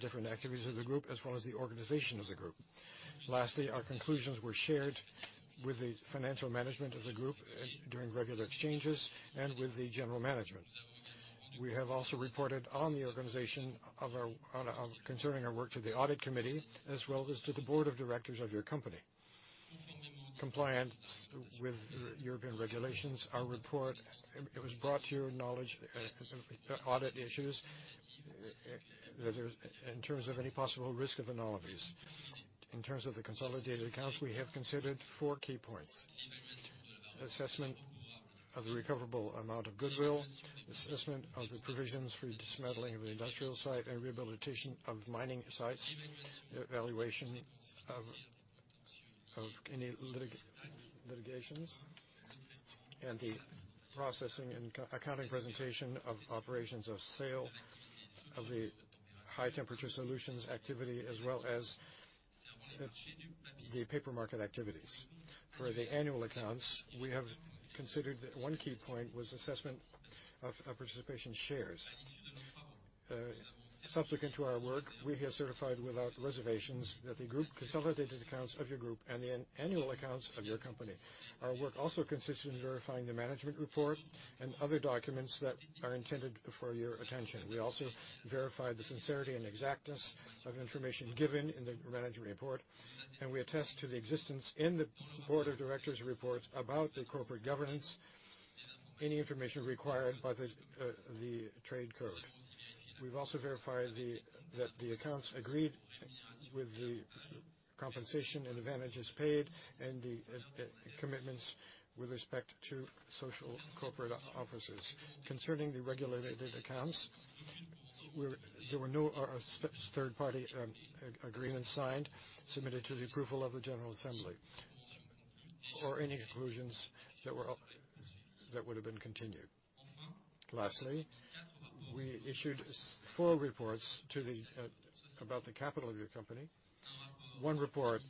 different activities of the group, as well as the organization of the group. Our conclusions were shared with the financial management of the group during regular exchanges and with the general management. We have also reported on the organization of our work to the audit committee, as well as to the board of directors of your company. Compliance with European regulations, our report, it was brought to your knowledge, audit issues in terms of any possible risk of anomalies. In terms of the consolidated accounts, we have considered four key points: assessment of the recoverable amount of goodwill, assessment of the provisions for dismantling of the industrial site and rehabilitation of mining sites, evaluation of any litigations, and the processing and accounting presentation of operations of sale of the High Temperature Solutions activity as well as the paper market activities. For the annual accounts, we have considered one key point was assessment of participation shares. Subsequent to our work, we have certified without reservations that the group consolidated accounts of your group and the annual accounts of your company. Our work also consists in verifying the management report and other documents that are intended for your attention. We also verified the sincerity and exactness of information given in the management report, and we attest to the existence in the Board of Directors' report about the corporate governance, any information required by the French Commercial Code. We've also verified that the accounts agreed with the compensation and advantages paid and the commitments with respect to social corporate officers. Concerning the regulated accounts, there were no third-party agreements signed, submitted to the approval of the General Assembly or any conclusions that were that would have been continued. Lastly, we issued 4 reports to the about the capital of your company. One report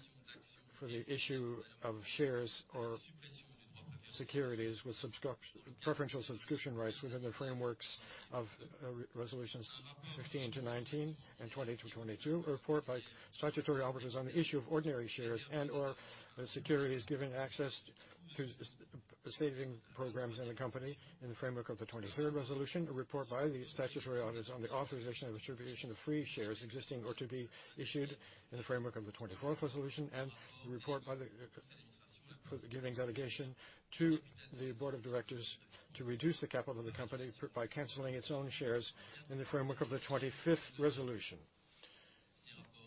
for the issue of shares or securities with preferential subscription rights within the frameworks of resolutions 15 to 19 and 20 to 22. A report by statutory auditors on the issue of ordinary shares and/or securities giving access to saving programs in the company in the framework of the 23rd resolution. A report by the statutory auditors on the authorization of attribution of free shares existing or to be issued in the framework of the 24th resolution. For the giving delegation to the board of directors to reduce the capital of the company by canceling its own shares in the framework of the 25th resolution.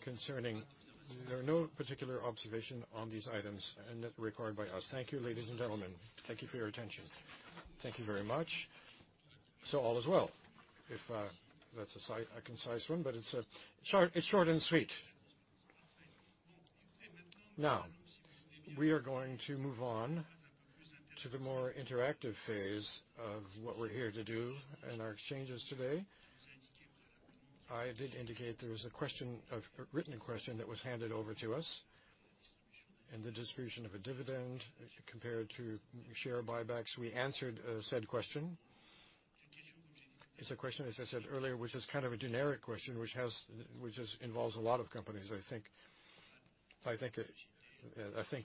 There are no particular observation on these items and required by us. Thank you, ladies and gentlemen. Thank you for your attention. Thank you very much. All is well. If that's a concise one, but it's short, it's short and sweet. Now, we are going to move on to the more interactive phase of what we're here to do in our exchanges today. I did indicate there was a question, a written question that was handed over to us, and the distribution of a dividend compared to share buybacks. We answered said question. It's a question, as I said earlier, which is kind of a generic question, which involves a lot of companies. I think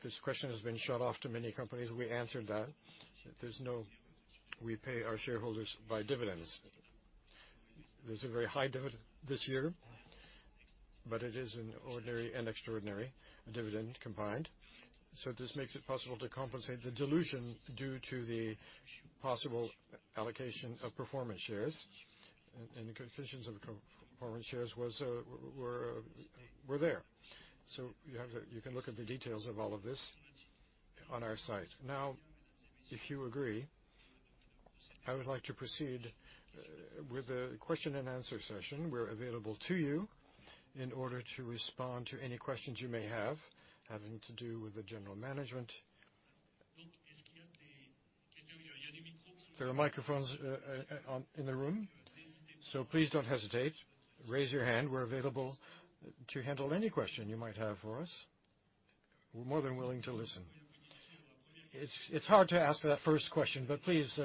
this question has been shot off to many companies. We answered that. There's no. We pay our shareholders by dividends. There's a very high dividend this year, but it is an ordinary and extraordinary dividend combined. This makes it possible to compensate the dilution due to the possible allocation of performance shares. The conditions of performance shares were there. You can look at the details of all of this on our site. If you agree, I would like to proceed with the question and answer session. We're available to you in order to respond to any questions you may have, having to do with the general management. There are microphones in the room. Please don't hesitate. Raise your hand. We're available to handle any question you might have for us. We're more than willing to listen. It's hard to ask that first question, but please.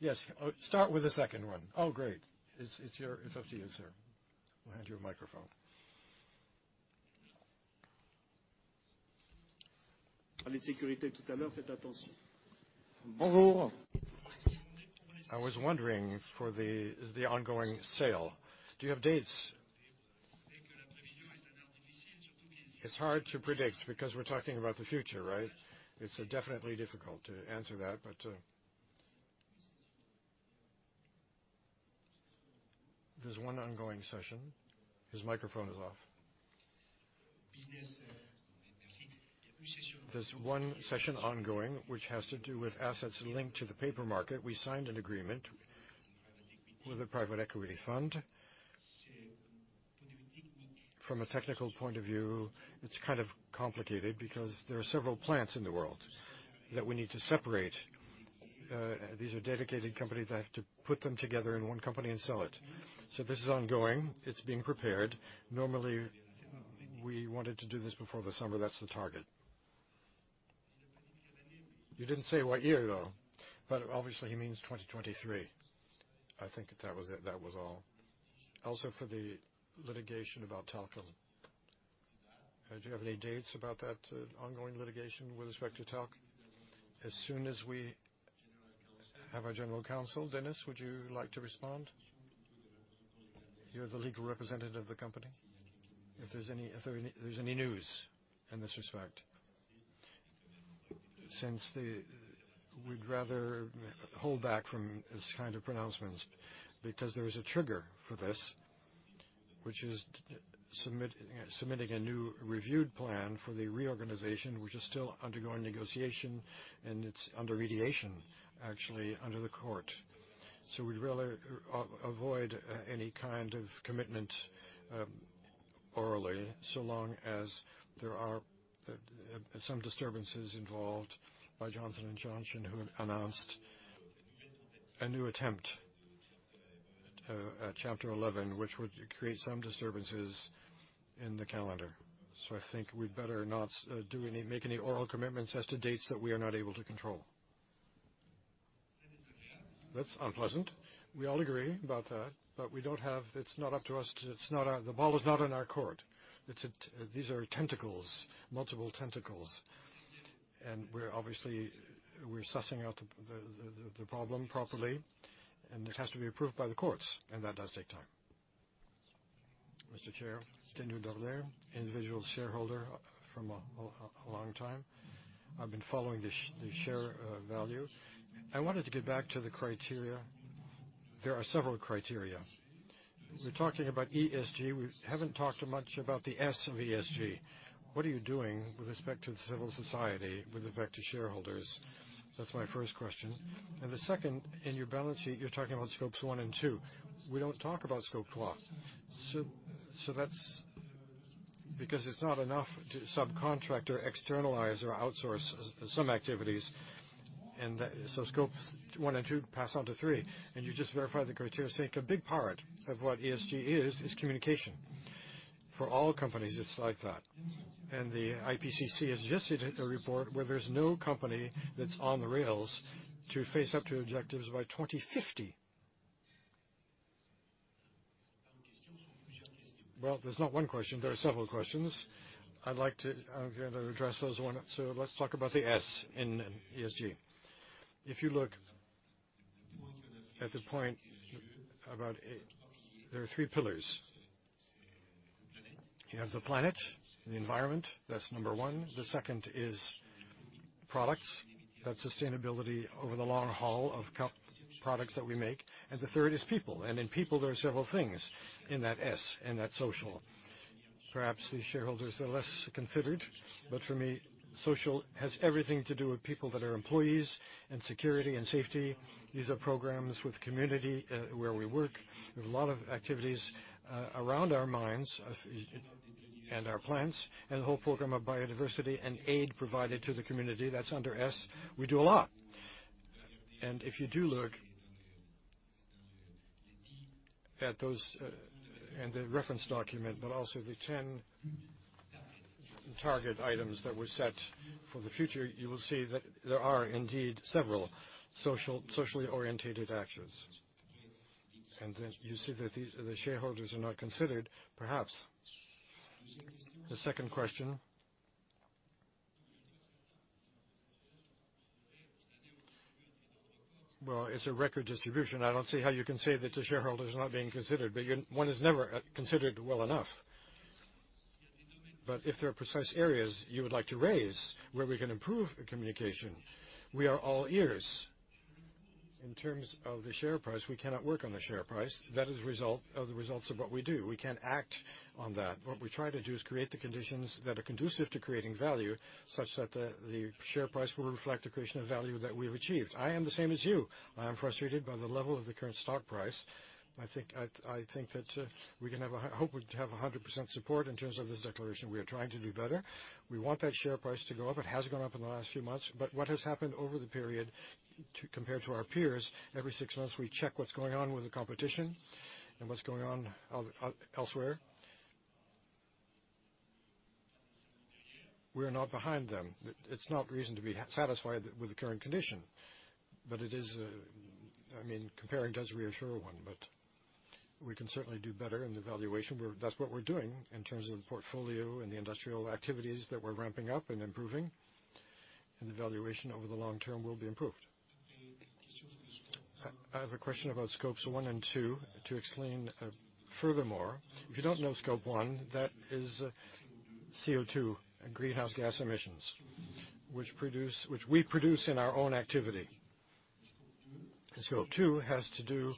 Yes, start with the second one. Oh, great. It's up to you, sir. We'll hand you a microphone. I was wondering for the ongoing sale, do you have dates? It's hard to predict because we're talking about the future, right? It's definitely difficult to answer that. There's one ongoing session. His microphone is off. There's one session ongoing which has to do with assets linked to the paper market. We signed an agreement with a private equity fund. From a technical point of view, it's kind of complicated because there are several plants in the world that we need to separate. These are dedicated companies that have to put them together in one company and sell it. So this is ongoing. It's being prepared. Normally, we wanted to do this before the summer. That's the target. You didn't say what year, though, but obviously he means 2023. I think that was it. That was all. Also, for the litigation about talc. Do you have any dates about that ongoing litigation with respect to talc? As soon as we have our General Counsel. Denis, would you like to respond? You're the legal representative of the company. If there's any news in this respect. Since the... We'd rather hold back from this kind of pronouncements because there is a trigger for this, which is submitting a new reviewed plan for the reorganization, which is still undergoing negotiation, and it's under mediation, actually, under the court. We'd rather avoid any kind of commitment orally, so long as there are some disturbances involved by Johnson & Johnson, who have announced a new attempt at Chapter 11, which would create some disturbances in the calendar. I think we'd better not do any, make any oral commitments as to dates that we are not able to control. That's unpleasant. We all agree about that. We don't have-- it's not up to us to... It's not our... The ball is not in our court. It's at. These are tentacles, multiple tentacles. We're obviously, we're sussing out the problem properly, and it has to be approved by the courts, and that does take time. Mr. Chair. Individual shareholder from a long time. I've been following the share value. I wanted to get back to the criteria. There are several criteria. We're talking about ESG. We haven't talked much about the S of ESG. What are you doing with respect to the civil society with respect to shareholders? That's my first question. The second, in your balance sheet, you're talking about Scopes 1 and 2. We don't talk about Scope 3. That's because it's not enough to subcontractor, externalize, or outsource some activities. Scope 1 and 2 pass on to 3, and you just verify the criteria. I think a big part of what ESG is communication. For all companies, it's like that. The IPCC has just issued a report where there's no company that's on the rails to face up to objectives by 2050. There's not 1 question. There are several questions. Let's talk about the S in ESG. If you look at the point about There are 3 pillars. You have the planet and the environment. That's number 1. The second is products. That's sustainability over the long haul of products that we make. The third is people. In people, there are several things in that S, in that social. Perhaps these shareholders are less considered. For me, social has everything to do with people that are employees and security and safety. These are programs with community where we work. There's a lot of activities around our mines and our plants, and the whole program of biodiversity and aid provided to the community. That's under S. We do a lot. If you do look at those and the reference document, but also the ten target items that were set for the future, you will see that there are indeed several social, socially orientated actions. You see that these are the shareholders are not considered perhaps. The second question. Well, it's a record distribution. I don't see how you can say that the shareholder is not being considered. One is never considered well enough. If there are precise areas you would like to raise where we can improve communication, we are all ears. In terms of the share price, we cannot work on the share price. That are the results of what we do. We can't act on that. What we try to do is create the conditions that are conducive to creating value, such that the share price will reflect the creation of value that we have achieved. I am the same as you. I am frustrated by the level of the current stock price. I think, I think that we can hope we'd have a 100% support in terms of this declaration. We are trying to do better. We want that share price to go up. It has gone up in the last few months. What has happened over the period compared to our peers, every six months, we check what's going on with the competition and what's going on elsewhere. We are not behind them. It's not reason to be satisfied with the current condition, but it is, I mean, comparing does reassure one, but we can certainly do better in the valuation. That's what we're doing in terms of the portfolio and the industrial activities that we're ramping up and improving. The valuation over the long term will be improved. I have a question about Scope 1 and 2 to explain furthermore. If you don't know Scope 1, that is CO₂ and greenhouse gas emissions, which we produce in our own activity. Scope 2 has to do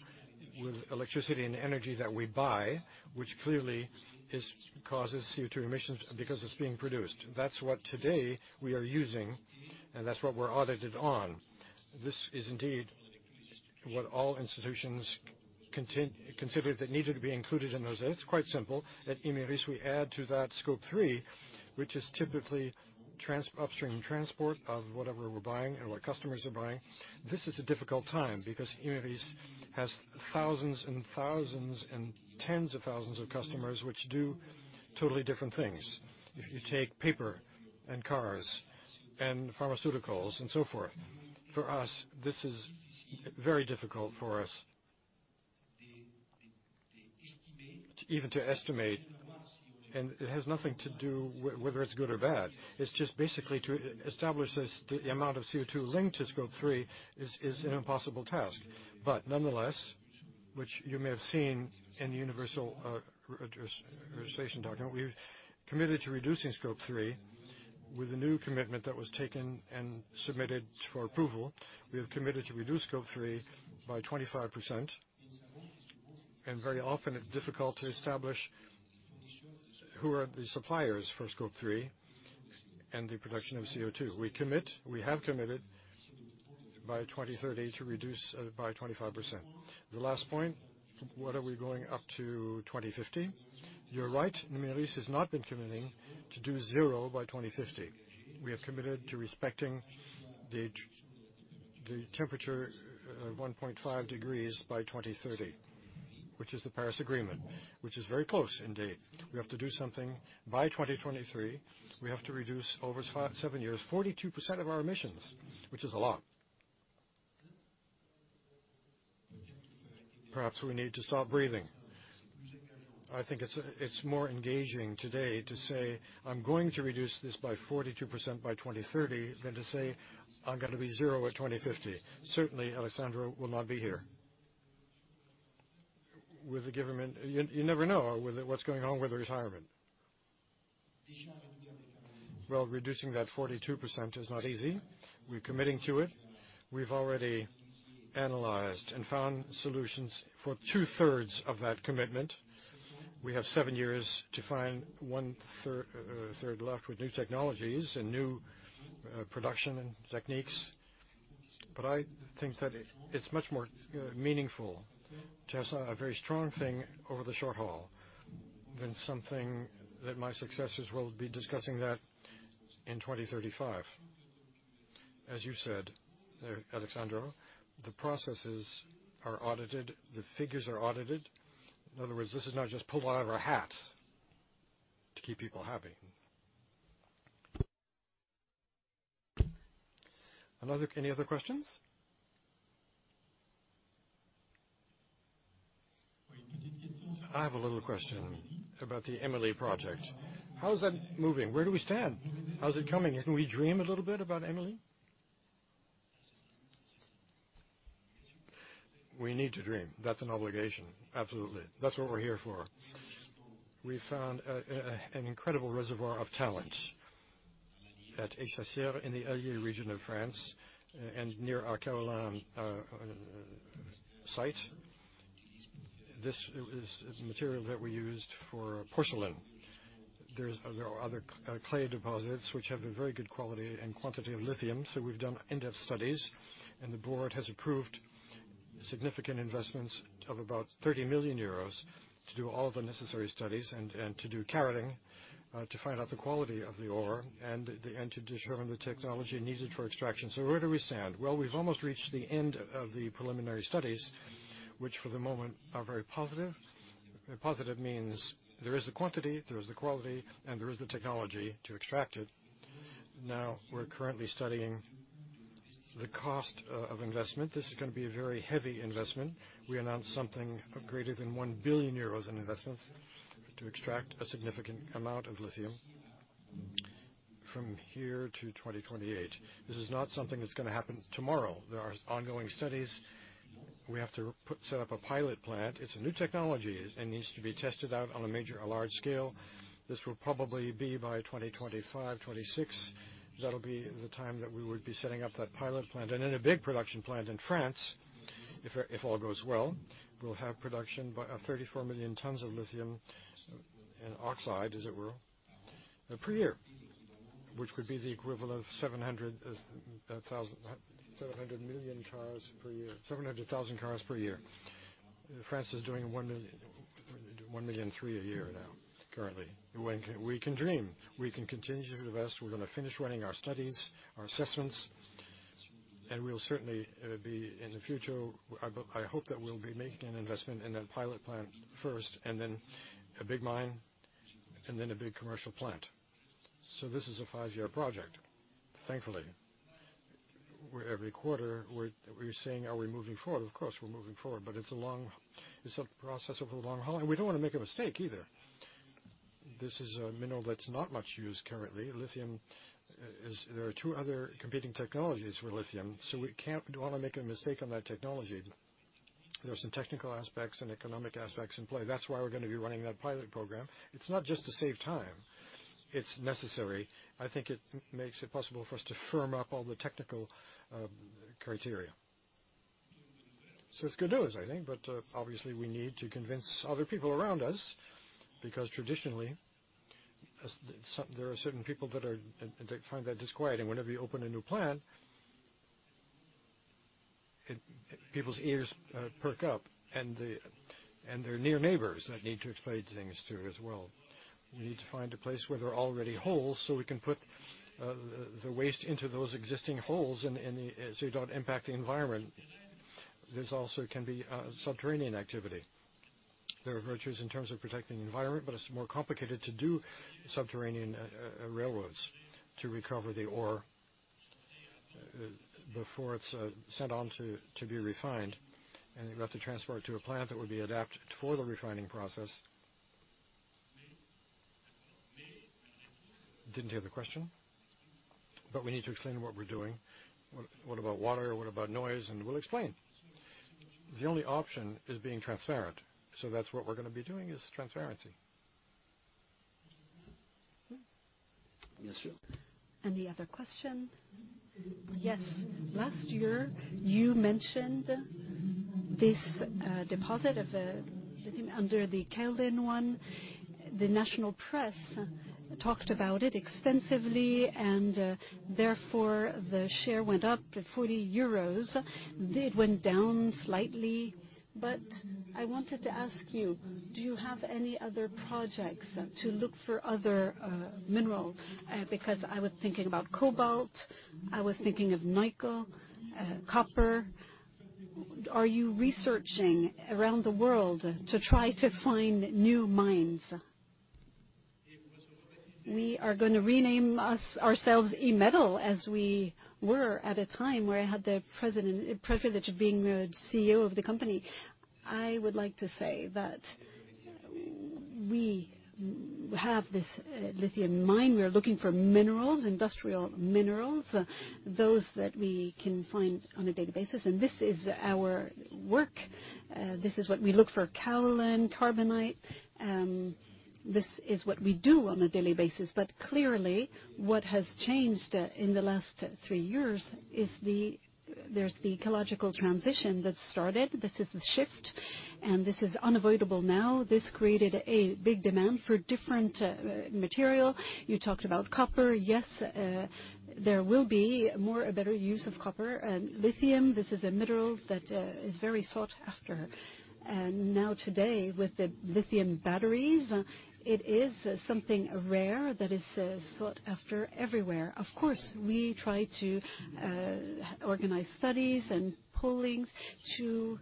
with electricity and energy that we buy, which clearly causes CO₂ emissions because it's being produced. That's what today we are using, and that's what we're audited on. This is indeed what all institutions considered that needed to be included in those. It's quite simple that Imerys we add to that Scope 3, which is typically upstream transport of whatever we're buying or what customers are buying. This is a difficult time because Imerys has thousands and thousands and tens of thousands of customers which do totally different things. If you take paper and cars and pharmaceuticals and so forth, for us, this is very difficult for us even to estimate, and it has nothing to do with whether it's good or bad. It's just basically to establish this, the amount of CO₂ linked to Scope 3 is an impossible task. Nonetheless, which you may have seen in the Universal Registration Document, we've committed to reducing Scope 3 with a new commitment that was taken and submitted for approval. We have committed to reduce Scope 3 by 25%, and very often it's difficult to establish who are the suppliers for Scope 3 and the production of CO₂. We have committed by 2030 to reduce it by 25%. The last point, what are we going up to 2050? You're right, Imerys has not been committing to do zero by 2050. We have committed to respecting the temperature, 1.5 degrees by 2030, which is the Paris Agreement, which is very close indeed. We have to do something by 2023. We have to reduce over 5-7 years, 42% of our emissions, which is a lot. Perhaps we need to stop breathing. I think it's more engaging today to say, "I'm going to reduce this by 42% by 2030," than to say, "I'm gonna be zero at 2050." Certainly, Alessandro will not be here. With the government, you never know with what's going on with retirement. Well, reducing that 42% is not easy. We're committing to it. We've already analyzed and found solutions for 2/3 of that commitment. We have 7 years to find 1/3 left with new technologies and new production and techniques. I think that it's much more meaningful to have a very strong thing over the short haul than something that my successors will be discussing that in 2035. As you said, Alessandro, the processes are audited, the figures are audited. In other words, this is not just pulled out of our hats to keep people happy. Any other questions? I have a little question about the EMILI project. How's that moving? Where do we stand? How's it coming? Can we dream a little bit about EMILI? We need to dream. That's an obligation, absolutely. That's what we're here for. We found an incredible reservoir of talent at Echassières in the Allier region of France and near our Kaolin site. This is material that we used for porcelain. There's other clay deposits which have a very good quality and quantity of lithium, so we've done in-depth studies and the board has approved significant investments of about 30 million euros to do all the necessary studies and to do carroting, to find out the quality of the ore and to determine the technology needed for extraction. Where do we stand? Well, we've almost reached the end of the preliminary studies, which for the moment are very positive. Positive means there is the quantity, there is the quality, and there is the technology to extract it. We're currently studying the cost, of investment, this is gonna be a very heavy investment. We announced something of greater than 1 billion euros in investments to extract a significant amount of lithium from here to 2028. This is not something that's gonna happen tomorrow. There are ongoing studies. We have to set up a pilot plant. It's a new technology. It needs to be tested out on a large scale. This will probably be by 2025, 2026. That'll be the time that we would be setting up that pilot plant. A big production plant in France, if all goes well, we'll have production by 34 million tons of lithium and oxide, as it were, per year, which would be the equivalent of 700 thousand. 700 million cars per year. 700,000 cars per year. France is doing 1.3 million a year now, currently. We can dream. We can continue to invest. We're gonna finish running our studies, our assessments, and we'll certainly be in the future. I hope that we'll be making an investment in that pilot plant first and then a big mine, and then a big commercial plant. This is a 5-year project, thankfully. Where every quarter we're saying, "Are we moving forward?" Of course, we're moving forward, but it's a process over the long haul, and we don't wanna make a mistake either. This is a mineral that's not much used currently. There are two other competing technologies for lithium, so don't wanna make a mistake on that technology. There are some technical aspects and economic aspects in play. That's why we're gonna be running that pilot program. It's not just to save time. It's necessary. I think it makes it possible for us to firm up all the technical criteria. It's good news, I think, but obviously we need to convince other people around us, because traditionally, there are certain people that find that disquieting. Whenever you open a new plant, People's ears perk up, and they're near neighbors that need to explain things to as well. We need to find a place where there are already holes, we can put the waste into those existing holes and the, you don't impact the environment. There's also can be subterranean activity. There are virtues in terms of protecting the environment. It's more complicated to do subterranean railroads to recover the ore before it's sent on to be refined, and you have to transport it to a plant that would be adapted for the refining process. Didn't hear the question. We need to explain what we're doing. What, what about water? What about noise? We'll explain. The only option is being transparent. That's what we're gonna be doing is transparency. Any other question? Yes. Last year, you mentioned this deposit of the lithium under the Kaolin one. The national press talked about it extensively and, therefore, the share went up to 40 euros. It went down slightly, but I wanted to ask you, do you have any other projects to look for other minerals? Because I was thinking about cobalt, I was thinking of nickel, copper. Are you researching around the world to try to find new mines? We are gonna rename us, ourselves Imetal, as we were at a time where I had the privilege of being the CEO of the company. I would like to say that we have this lithium mine. We are looking for minerals, industrial minerals, those that we can find on a daily basis, and this is our work. This is what we look for, kaolin, carbonate. This is what we do on a daily basis. What has changed in the last three years is the ecological transition that started. This is the shift, and this is unavoidable now. This created a big demand for different material. You talked about copper. Yes, there will be more, a better use of copper. Lithium, this is a mineral that is very sought after. Now today, with the lithium batteries, it is something rare that is sought after everywhere. Of course, we try to organize studies and pullings to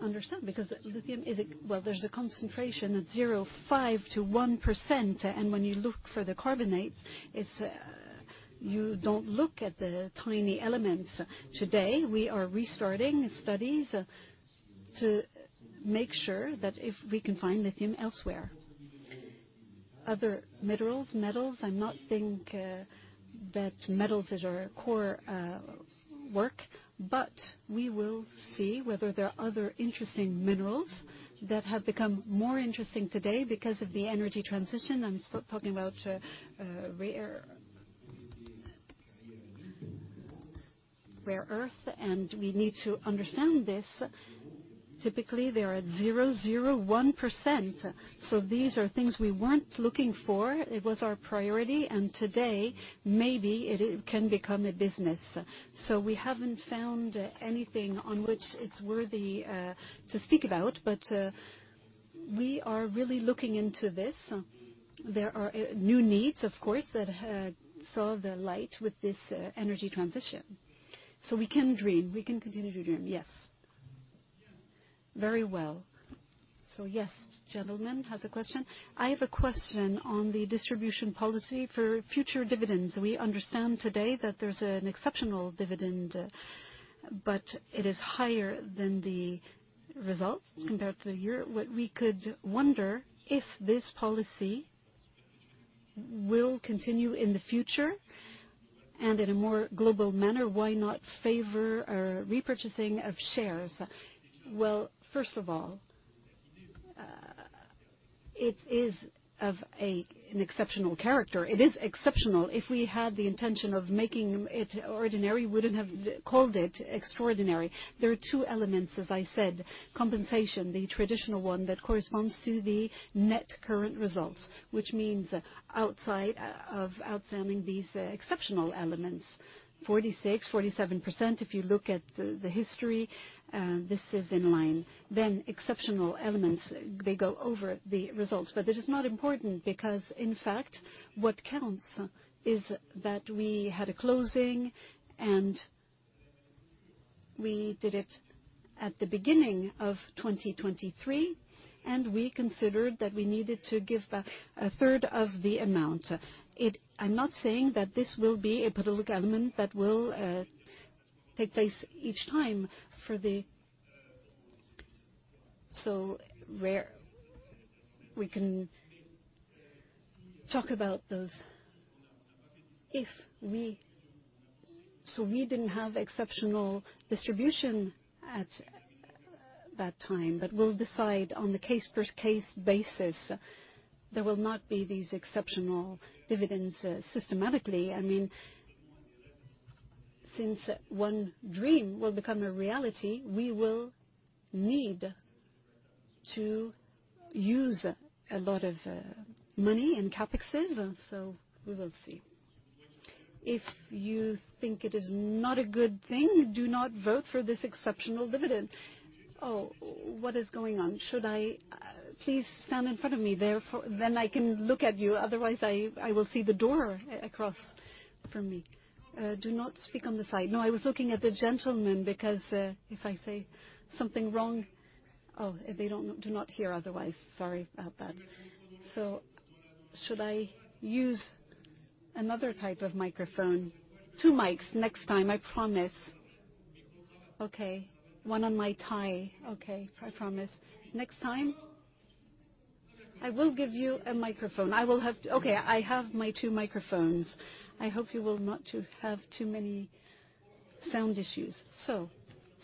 understand, because lithium is a. Well, there's a concentration at 0.5%-1%, and when you look for the carbonates, it's, you don't look at the tiny elements. Today, we are restarting studies to make sure that if we can find lithium elsewhere. Other minerals, metals, I'm not think that metals is our core work, but we will see whether there are other interesting minerals that have become more interesting today because of the energy transition. I'm talking about rare earth, and we need to understand this. Typically, they are at 0.01%. These are things we weren't looking for. It was our priority, and today, maybe it can become a business. We haven't found anything on which it's worthy to speak about, but we are really looking into this. There are new needs, of course, that saw the light with this energy transition. We can dream. We can continue to dream. Yes. Very well. Yes, gentleman has a question. I have a question on the distribution policy for future dividends. It is higher than the results compared to the year. What we could wonder, if this policy will continue in the future and in a more global manner, why not favor a repurchasing of shares? First of all, it is of an exceptional character. It is exceptional. If we had the intention of making it ordinary, we wouldn't have called it extraordinary. There are two elements, as I said. Compensation, the traditional one that corresponds to the net current results, which means outside of outstanding these exceptional elements, 46%-47%, if you look at the history, this is in line. Exceptional elements, they go over the results. It is not important because in fact, what counts is that we had a closing and we did it at the beginning of 2023, and we considered that we needed to give back a third of the amount. I'm not saying that this will be a program that will take place each time for the. Rare. We can talk about those if we. We didn't have exceptional distribution at that time, but we'll decide on a case per case basis. There will not be these exceptional dividends systematically. I mean, since one dream will become a reality, we will need to use a lot of money and CapExes, so we will see. If you think it is not a good thing, do not vote for this exceptional dividend. What is going on? Should I? Please stand in front of me there for... I can look at you. Otherwise, I will see the door across from me. Do not speak on the side. No, I was looking at the gentleman because if I say something wrong, they do not hear otherwise. Sorry about that. Should I use another type of microphone? Two mics next time, I promise. Okay. One on my tie. Okay. I promise. Next time, I will give you a microphone. I have my two microphones. I hope you will not to have too many sound issues.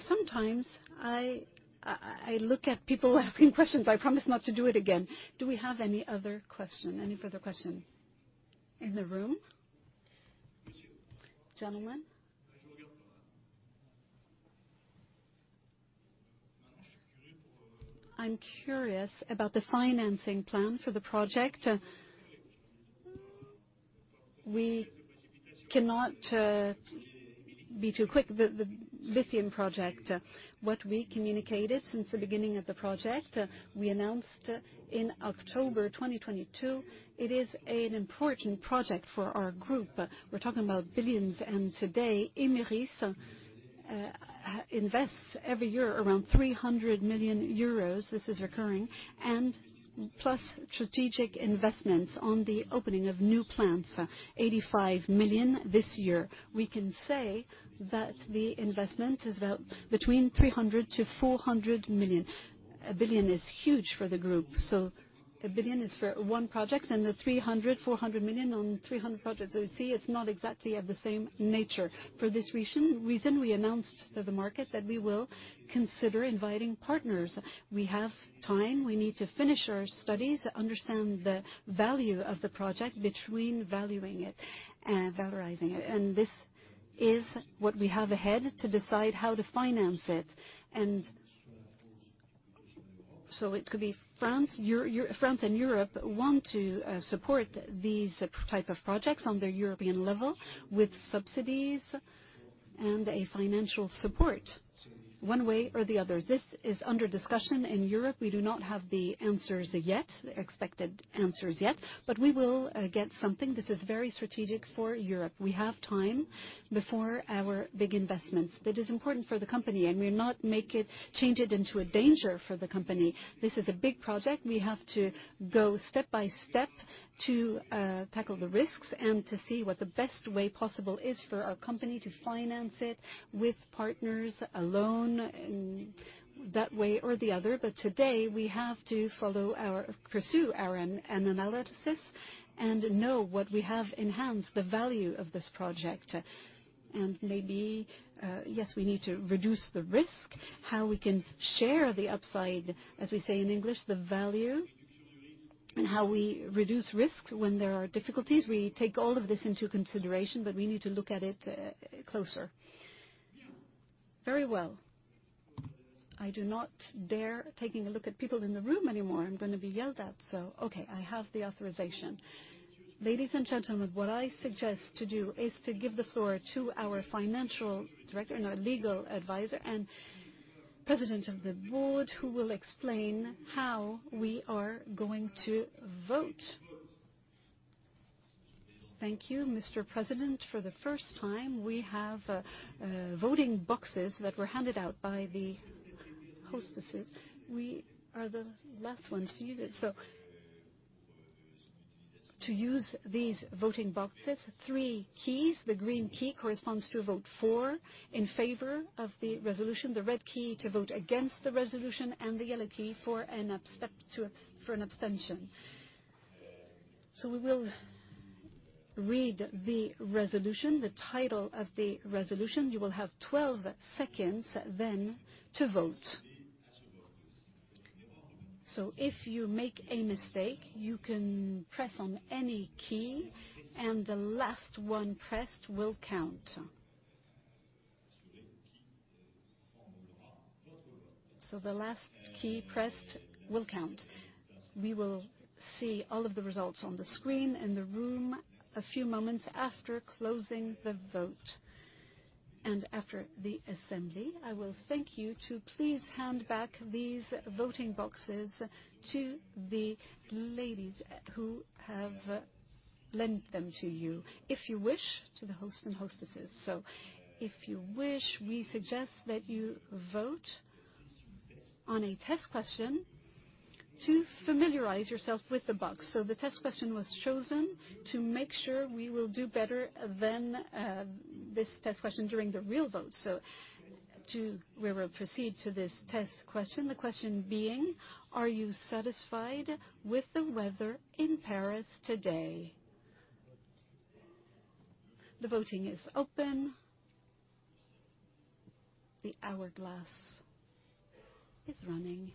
Sometimes I look at people asking questions. I promise not to do it again. Do we have any other question, any further question in the room? Gentleman. I'm curious about the financing plan for the project. We cannot be too quick. The lithium project, what we communicated since the beginning of the project, we announced in October 2022. It is an important project for our group. We're talking about billions. Today, Imerys invests every year around 300 million euros. This is recurring. plus strategic investments on the opening of new plants, 85 million this year. We can say that the investment is about between 300 million-400 million. 1 billion is huge for the group. A billion is for one project and the 300 million, 400 million on 300 projects. You see, it's not exactly of the same nature. For this reason, we announced to the market that we will consider inviting partners. We have time. We need to finish our studies, understand the value of the project between valuing it and valorizing it. This is what we have ahead to decide how to finance it. It could be France and Europe want to support these type of projects on the European level with subsidies and a financial support one way or the other. This is under discussion in Europe. We do not have the answers yet, expected answers yet, but we will get something. This is very strategic for Europe. We have time before our big investments. That is important for the company, and we'll not make it, change it into a danger for the company. This is a big project. We have to go step by step to tackle the risks and to see what the best way possible is for our company to finance it with partners, alone, in that way or the other. Today, we have to follow our... pursue our an analysis and know what we have in hand, the value of this project. Maybe, yes, we need to reduce the risk, how we can share the upside, as we say in English, the value, and how we reduce risks when there are difficulties. We take all of this into consideration, we need to look at it, closer. Very well. I do not dare taking a look at people in the room anymore. I'm gonna be yelled at, okay, I have the authorization. Ladies and gentlemen, what I suggest to do is to give the floor to our financial director and our legal advisor and president of the board who will explain how we are going to vote. Thank you, Mr. President. The first time, we have, voting boxes that were handed out by the hostesses. To use these voting boxes, three keys: the green key corresponds to a vote for, in favor of the resolution, the red key to vote against the resolution, and the yellow key for an abstention. We will read the resolution, the title of the resolution. You will have 12 seconds then to vote. If you make a mistake, you can press on any key, and the last one pressed will count. The last key pressed will count. We will see all of the results on the screen in the room a few moments after closing the vote. After the assembly, I will thank you to please hand back these voting boxes to the ladies who have lent them to you. If you wish, to the host and hostesses. If you wish, we suggest that you vote on a test question to familiarize yourself with the box. The test question was chosen to make sure we will do better than this test question during the real vote. We will proceed to this test question. The question being: Are you satisfied with the weather in Paris today? The voting is open. The hourglass is running.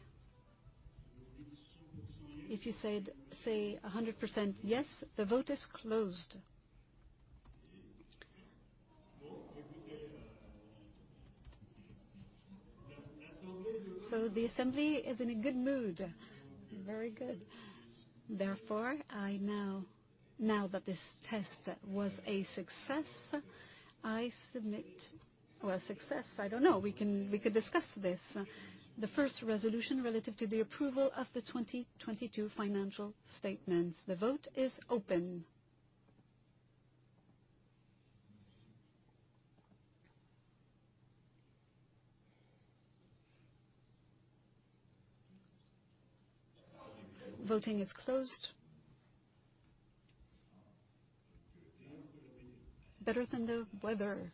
If you said, say 100% yes. The vote is closed. The assembly is in a good mood. Very good. Therefore, I now that this test was a success, I submit... Well, success, I don't know. We could discuss this. The first resolution relative to the approval of the 2022 financial statements. The vote is open. Voting is closed. Better than the weather.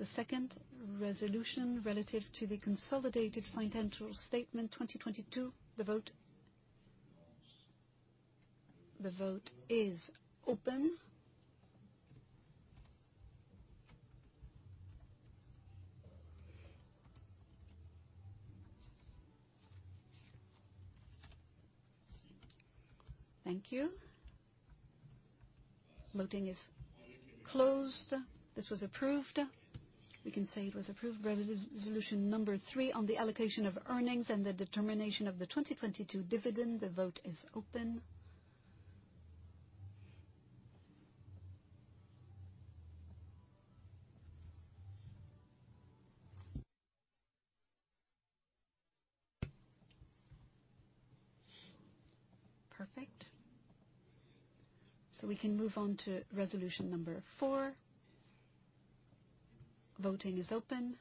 The second resolution relative to the consolidated financial statement 2022. The vote... The vote is open. Thank you. Voting is closed. This was approved. We can say it was approved. Resolution number 3 on the allocation of earnings and the determination of the 2022 dividend. The vote is open. Perfect. We can move on to resolution number 4. Voting is open.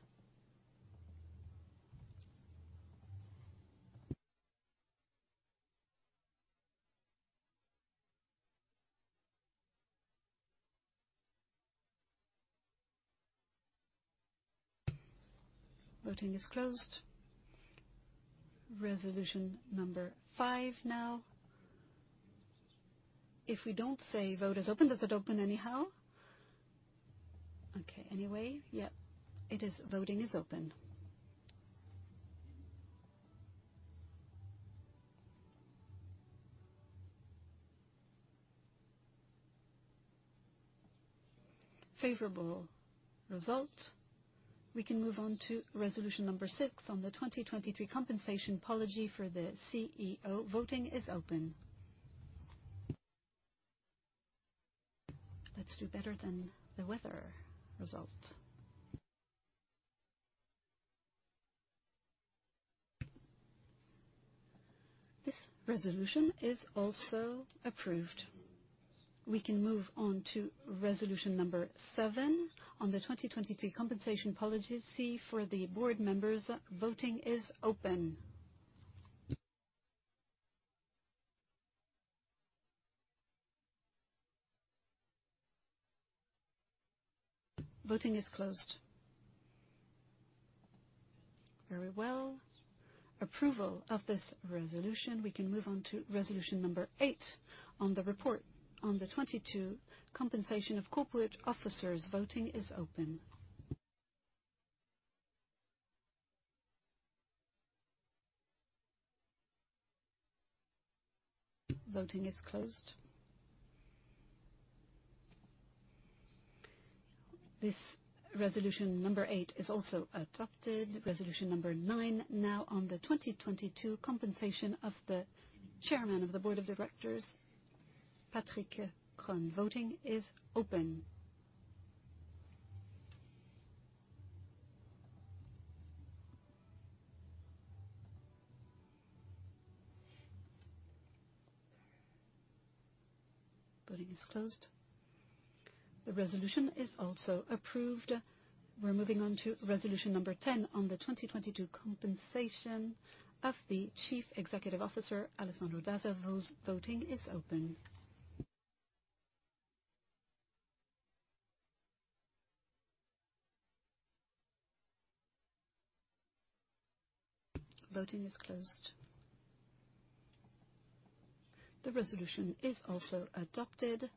Voting is closed. Resolution number 5 now. If we don't say vote is open, does it open anyhow? Okay. Anyway. Yeah, it is. Voting is open. Favorable result. We can move on to resolution number 6 on the 2023 compensation policy for the CEO. Voting is open. Let's do better than the weather result. This resolution is also approved. We can move on to resolution number 7 on the 2023 compensation policy for the board members. Voting is open. Voting is closed. Very well. Approval of this resolution. We can move on to resolution number 8 on the report on the 22 compensation of corporate officers. Voting is open. Voting is closed. This resolution number 8 is also adopted. Resolution number 9 now on the 2022 compensation of the chairman of the board of directors, Patrick Kron. Voting is open. Voting is closed. The resolution is also approved. We're moving on to resolution number 10 on the 2022 compensation of the Chief Executive Officer, Alessandro Dazza. Voting is open. Voting is closed. The resolution is also adopted.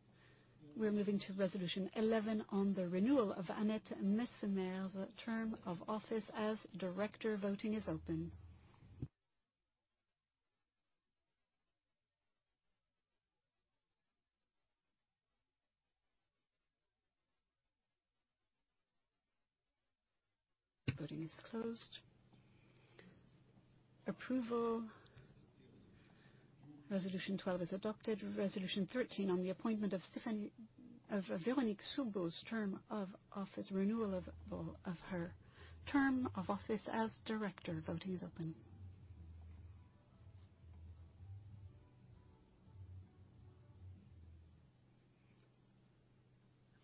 We're moving to resolution 11 on the renewal of Annette Messemer's term of office as director. Voting is open. Voting is closed. Resolution 12 is adopted. Resolution 13 on the appointment of Véronique Saubot's term of office, renewal of her term of office as director. Voting is open.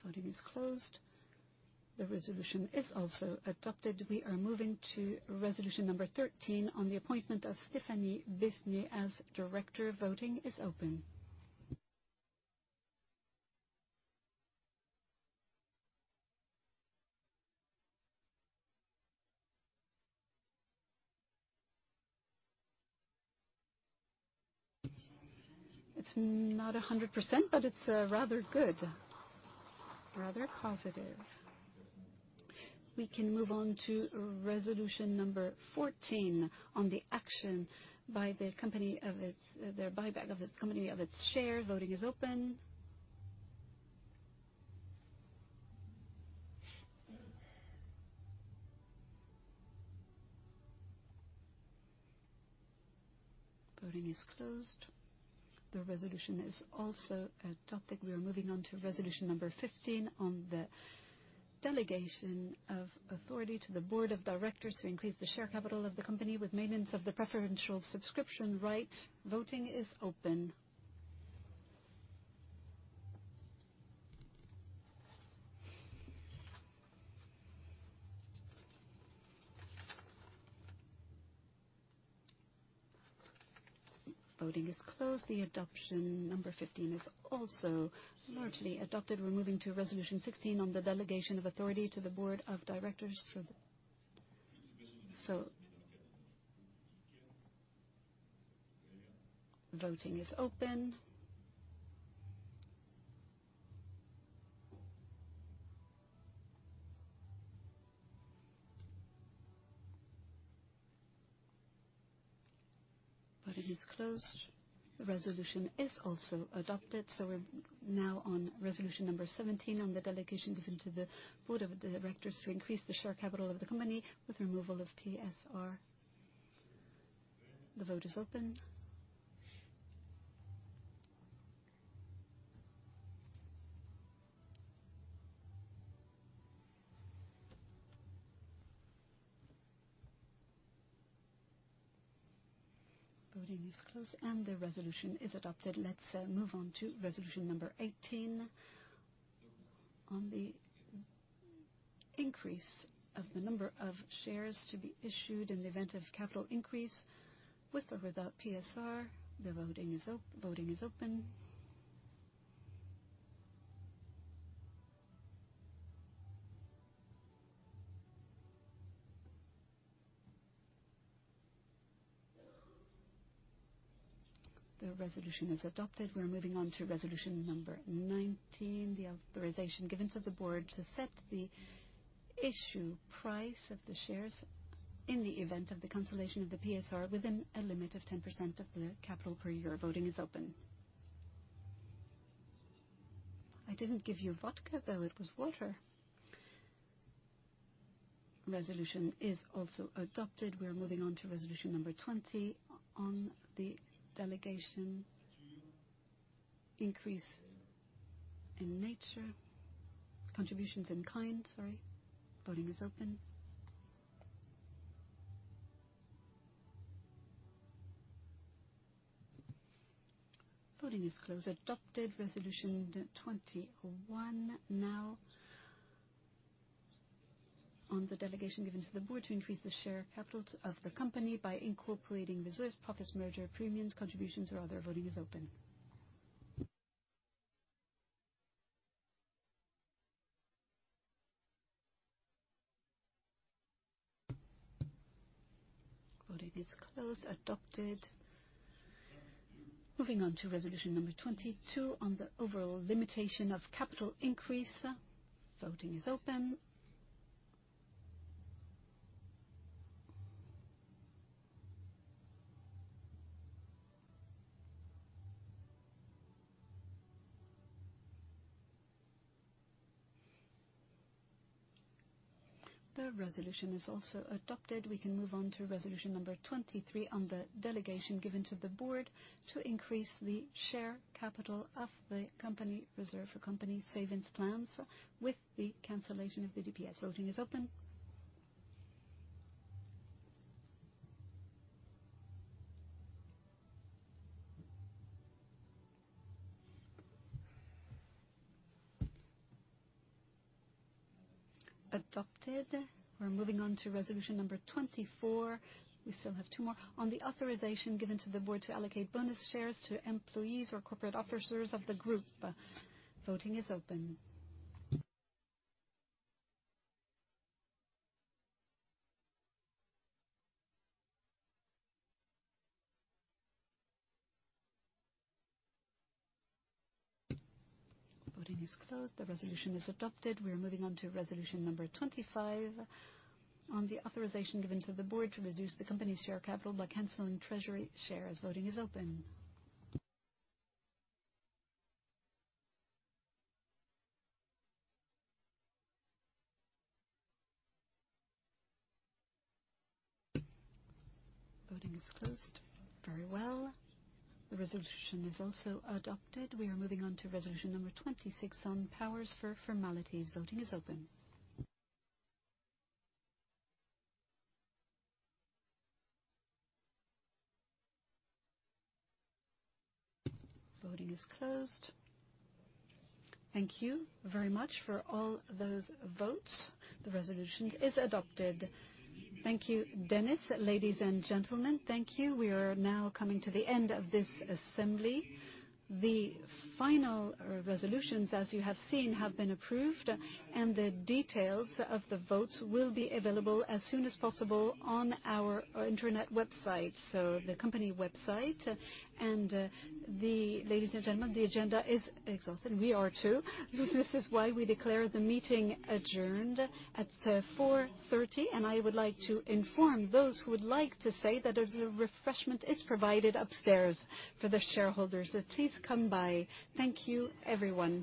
Voting is closed. The resolution is also adopted. We are moving to resolution number 13 on the appointment of Stéphanie Besnier as director. Voting is open. It's not 100%, it's rather good, rather positive. We can move on to resolution number 14 on the action by the company the buyback of its company of its share. Voting is open. Voting is closed. The resolution is also adopted. We are moving on to resolution number 15 on the delegation of authority to the board of directors to increase the share capital of the company with maintenance of the preferential subscription right. Voting is open. Voting is closed. The adoption number 15 is also largely adopted. We're moving to resolution 16 on the delegation of authority to the board of directors for. Voting is open. Voting is closed. The resolution is also adopted. We're now on resolution number 17 on the delegation given to the board of directors to increase the share capital of the company with removal of PSR. The vote is open. Voting is closed, and the resolution is adopted. Let's move on to resolution number 18 on the increase of the number of shares to be issued in the event of capital increase with or without PSR. The voting is open. The resolution is adopted. We're moving on to resolution number 19, the authorization given to the board to set the issue price of the shares in the event of the cancellation of the PSR within a limit of 10% of the capital per year. Voting is open. I didn't give you vodka, though. It was water. Resolution is also adopted. We're moving on to resolution number 20 on the delegation increase in nature, contributions in kind, sorry. Voting is open. Voting is closed. Adopted resolution 21 now on the delegation given to the board to increase the share capital of the company by incorporating reserves, profits, merger premiums, contributions or other. Voting is open. Voting is closed. Adopted. Moving on to resolution number 22 on the overall limitation of capital increase. Voting is open. The resolution is also adopted. We can move on to resolution number 23 on the delegation given to the board to increase the share capital of the company reserve for company savings plans with the cancellation of the DPS. Voting is open. Adopted. We're moving on to resolution number 24. We still have two more. On the authorization given to the board to allocate bonus shares to employees or corporate officers of the group. Voting is open. Voting is closed. The resolution is adopted. We are moving on to resolution number 25 on the authorization given to the board to reduce the company's share capital by canceling treasury shares. Voting is open. Voting is closed. Very well. The resolution is also adopted. We are moving on to resolution number 26 on powers for formalities. Voting is open. Voting is closed. Thank you very much for all those votes. The resolution is adopted. Thank you, Dennis. Ladies and gentlemen, thank you. We are now coming to the end of this assembly. The final resolutions, as you have seen, have been approved, and the details of the votes will be available as soon as possible on our internet website. The company website. Ladies and gentlemen, the agenda is exhausted. We are too. This is why we declare the meeting adjourned at 4:30 P.M. I would like to inform those who would like to stay that a refreshment is provided upstairs for the shareholders. Please come by. Thank you, everyone.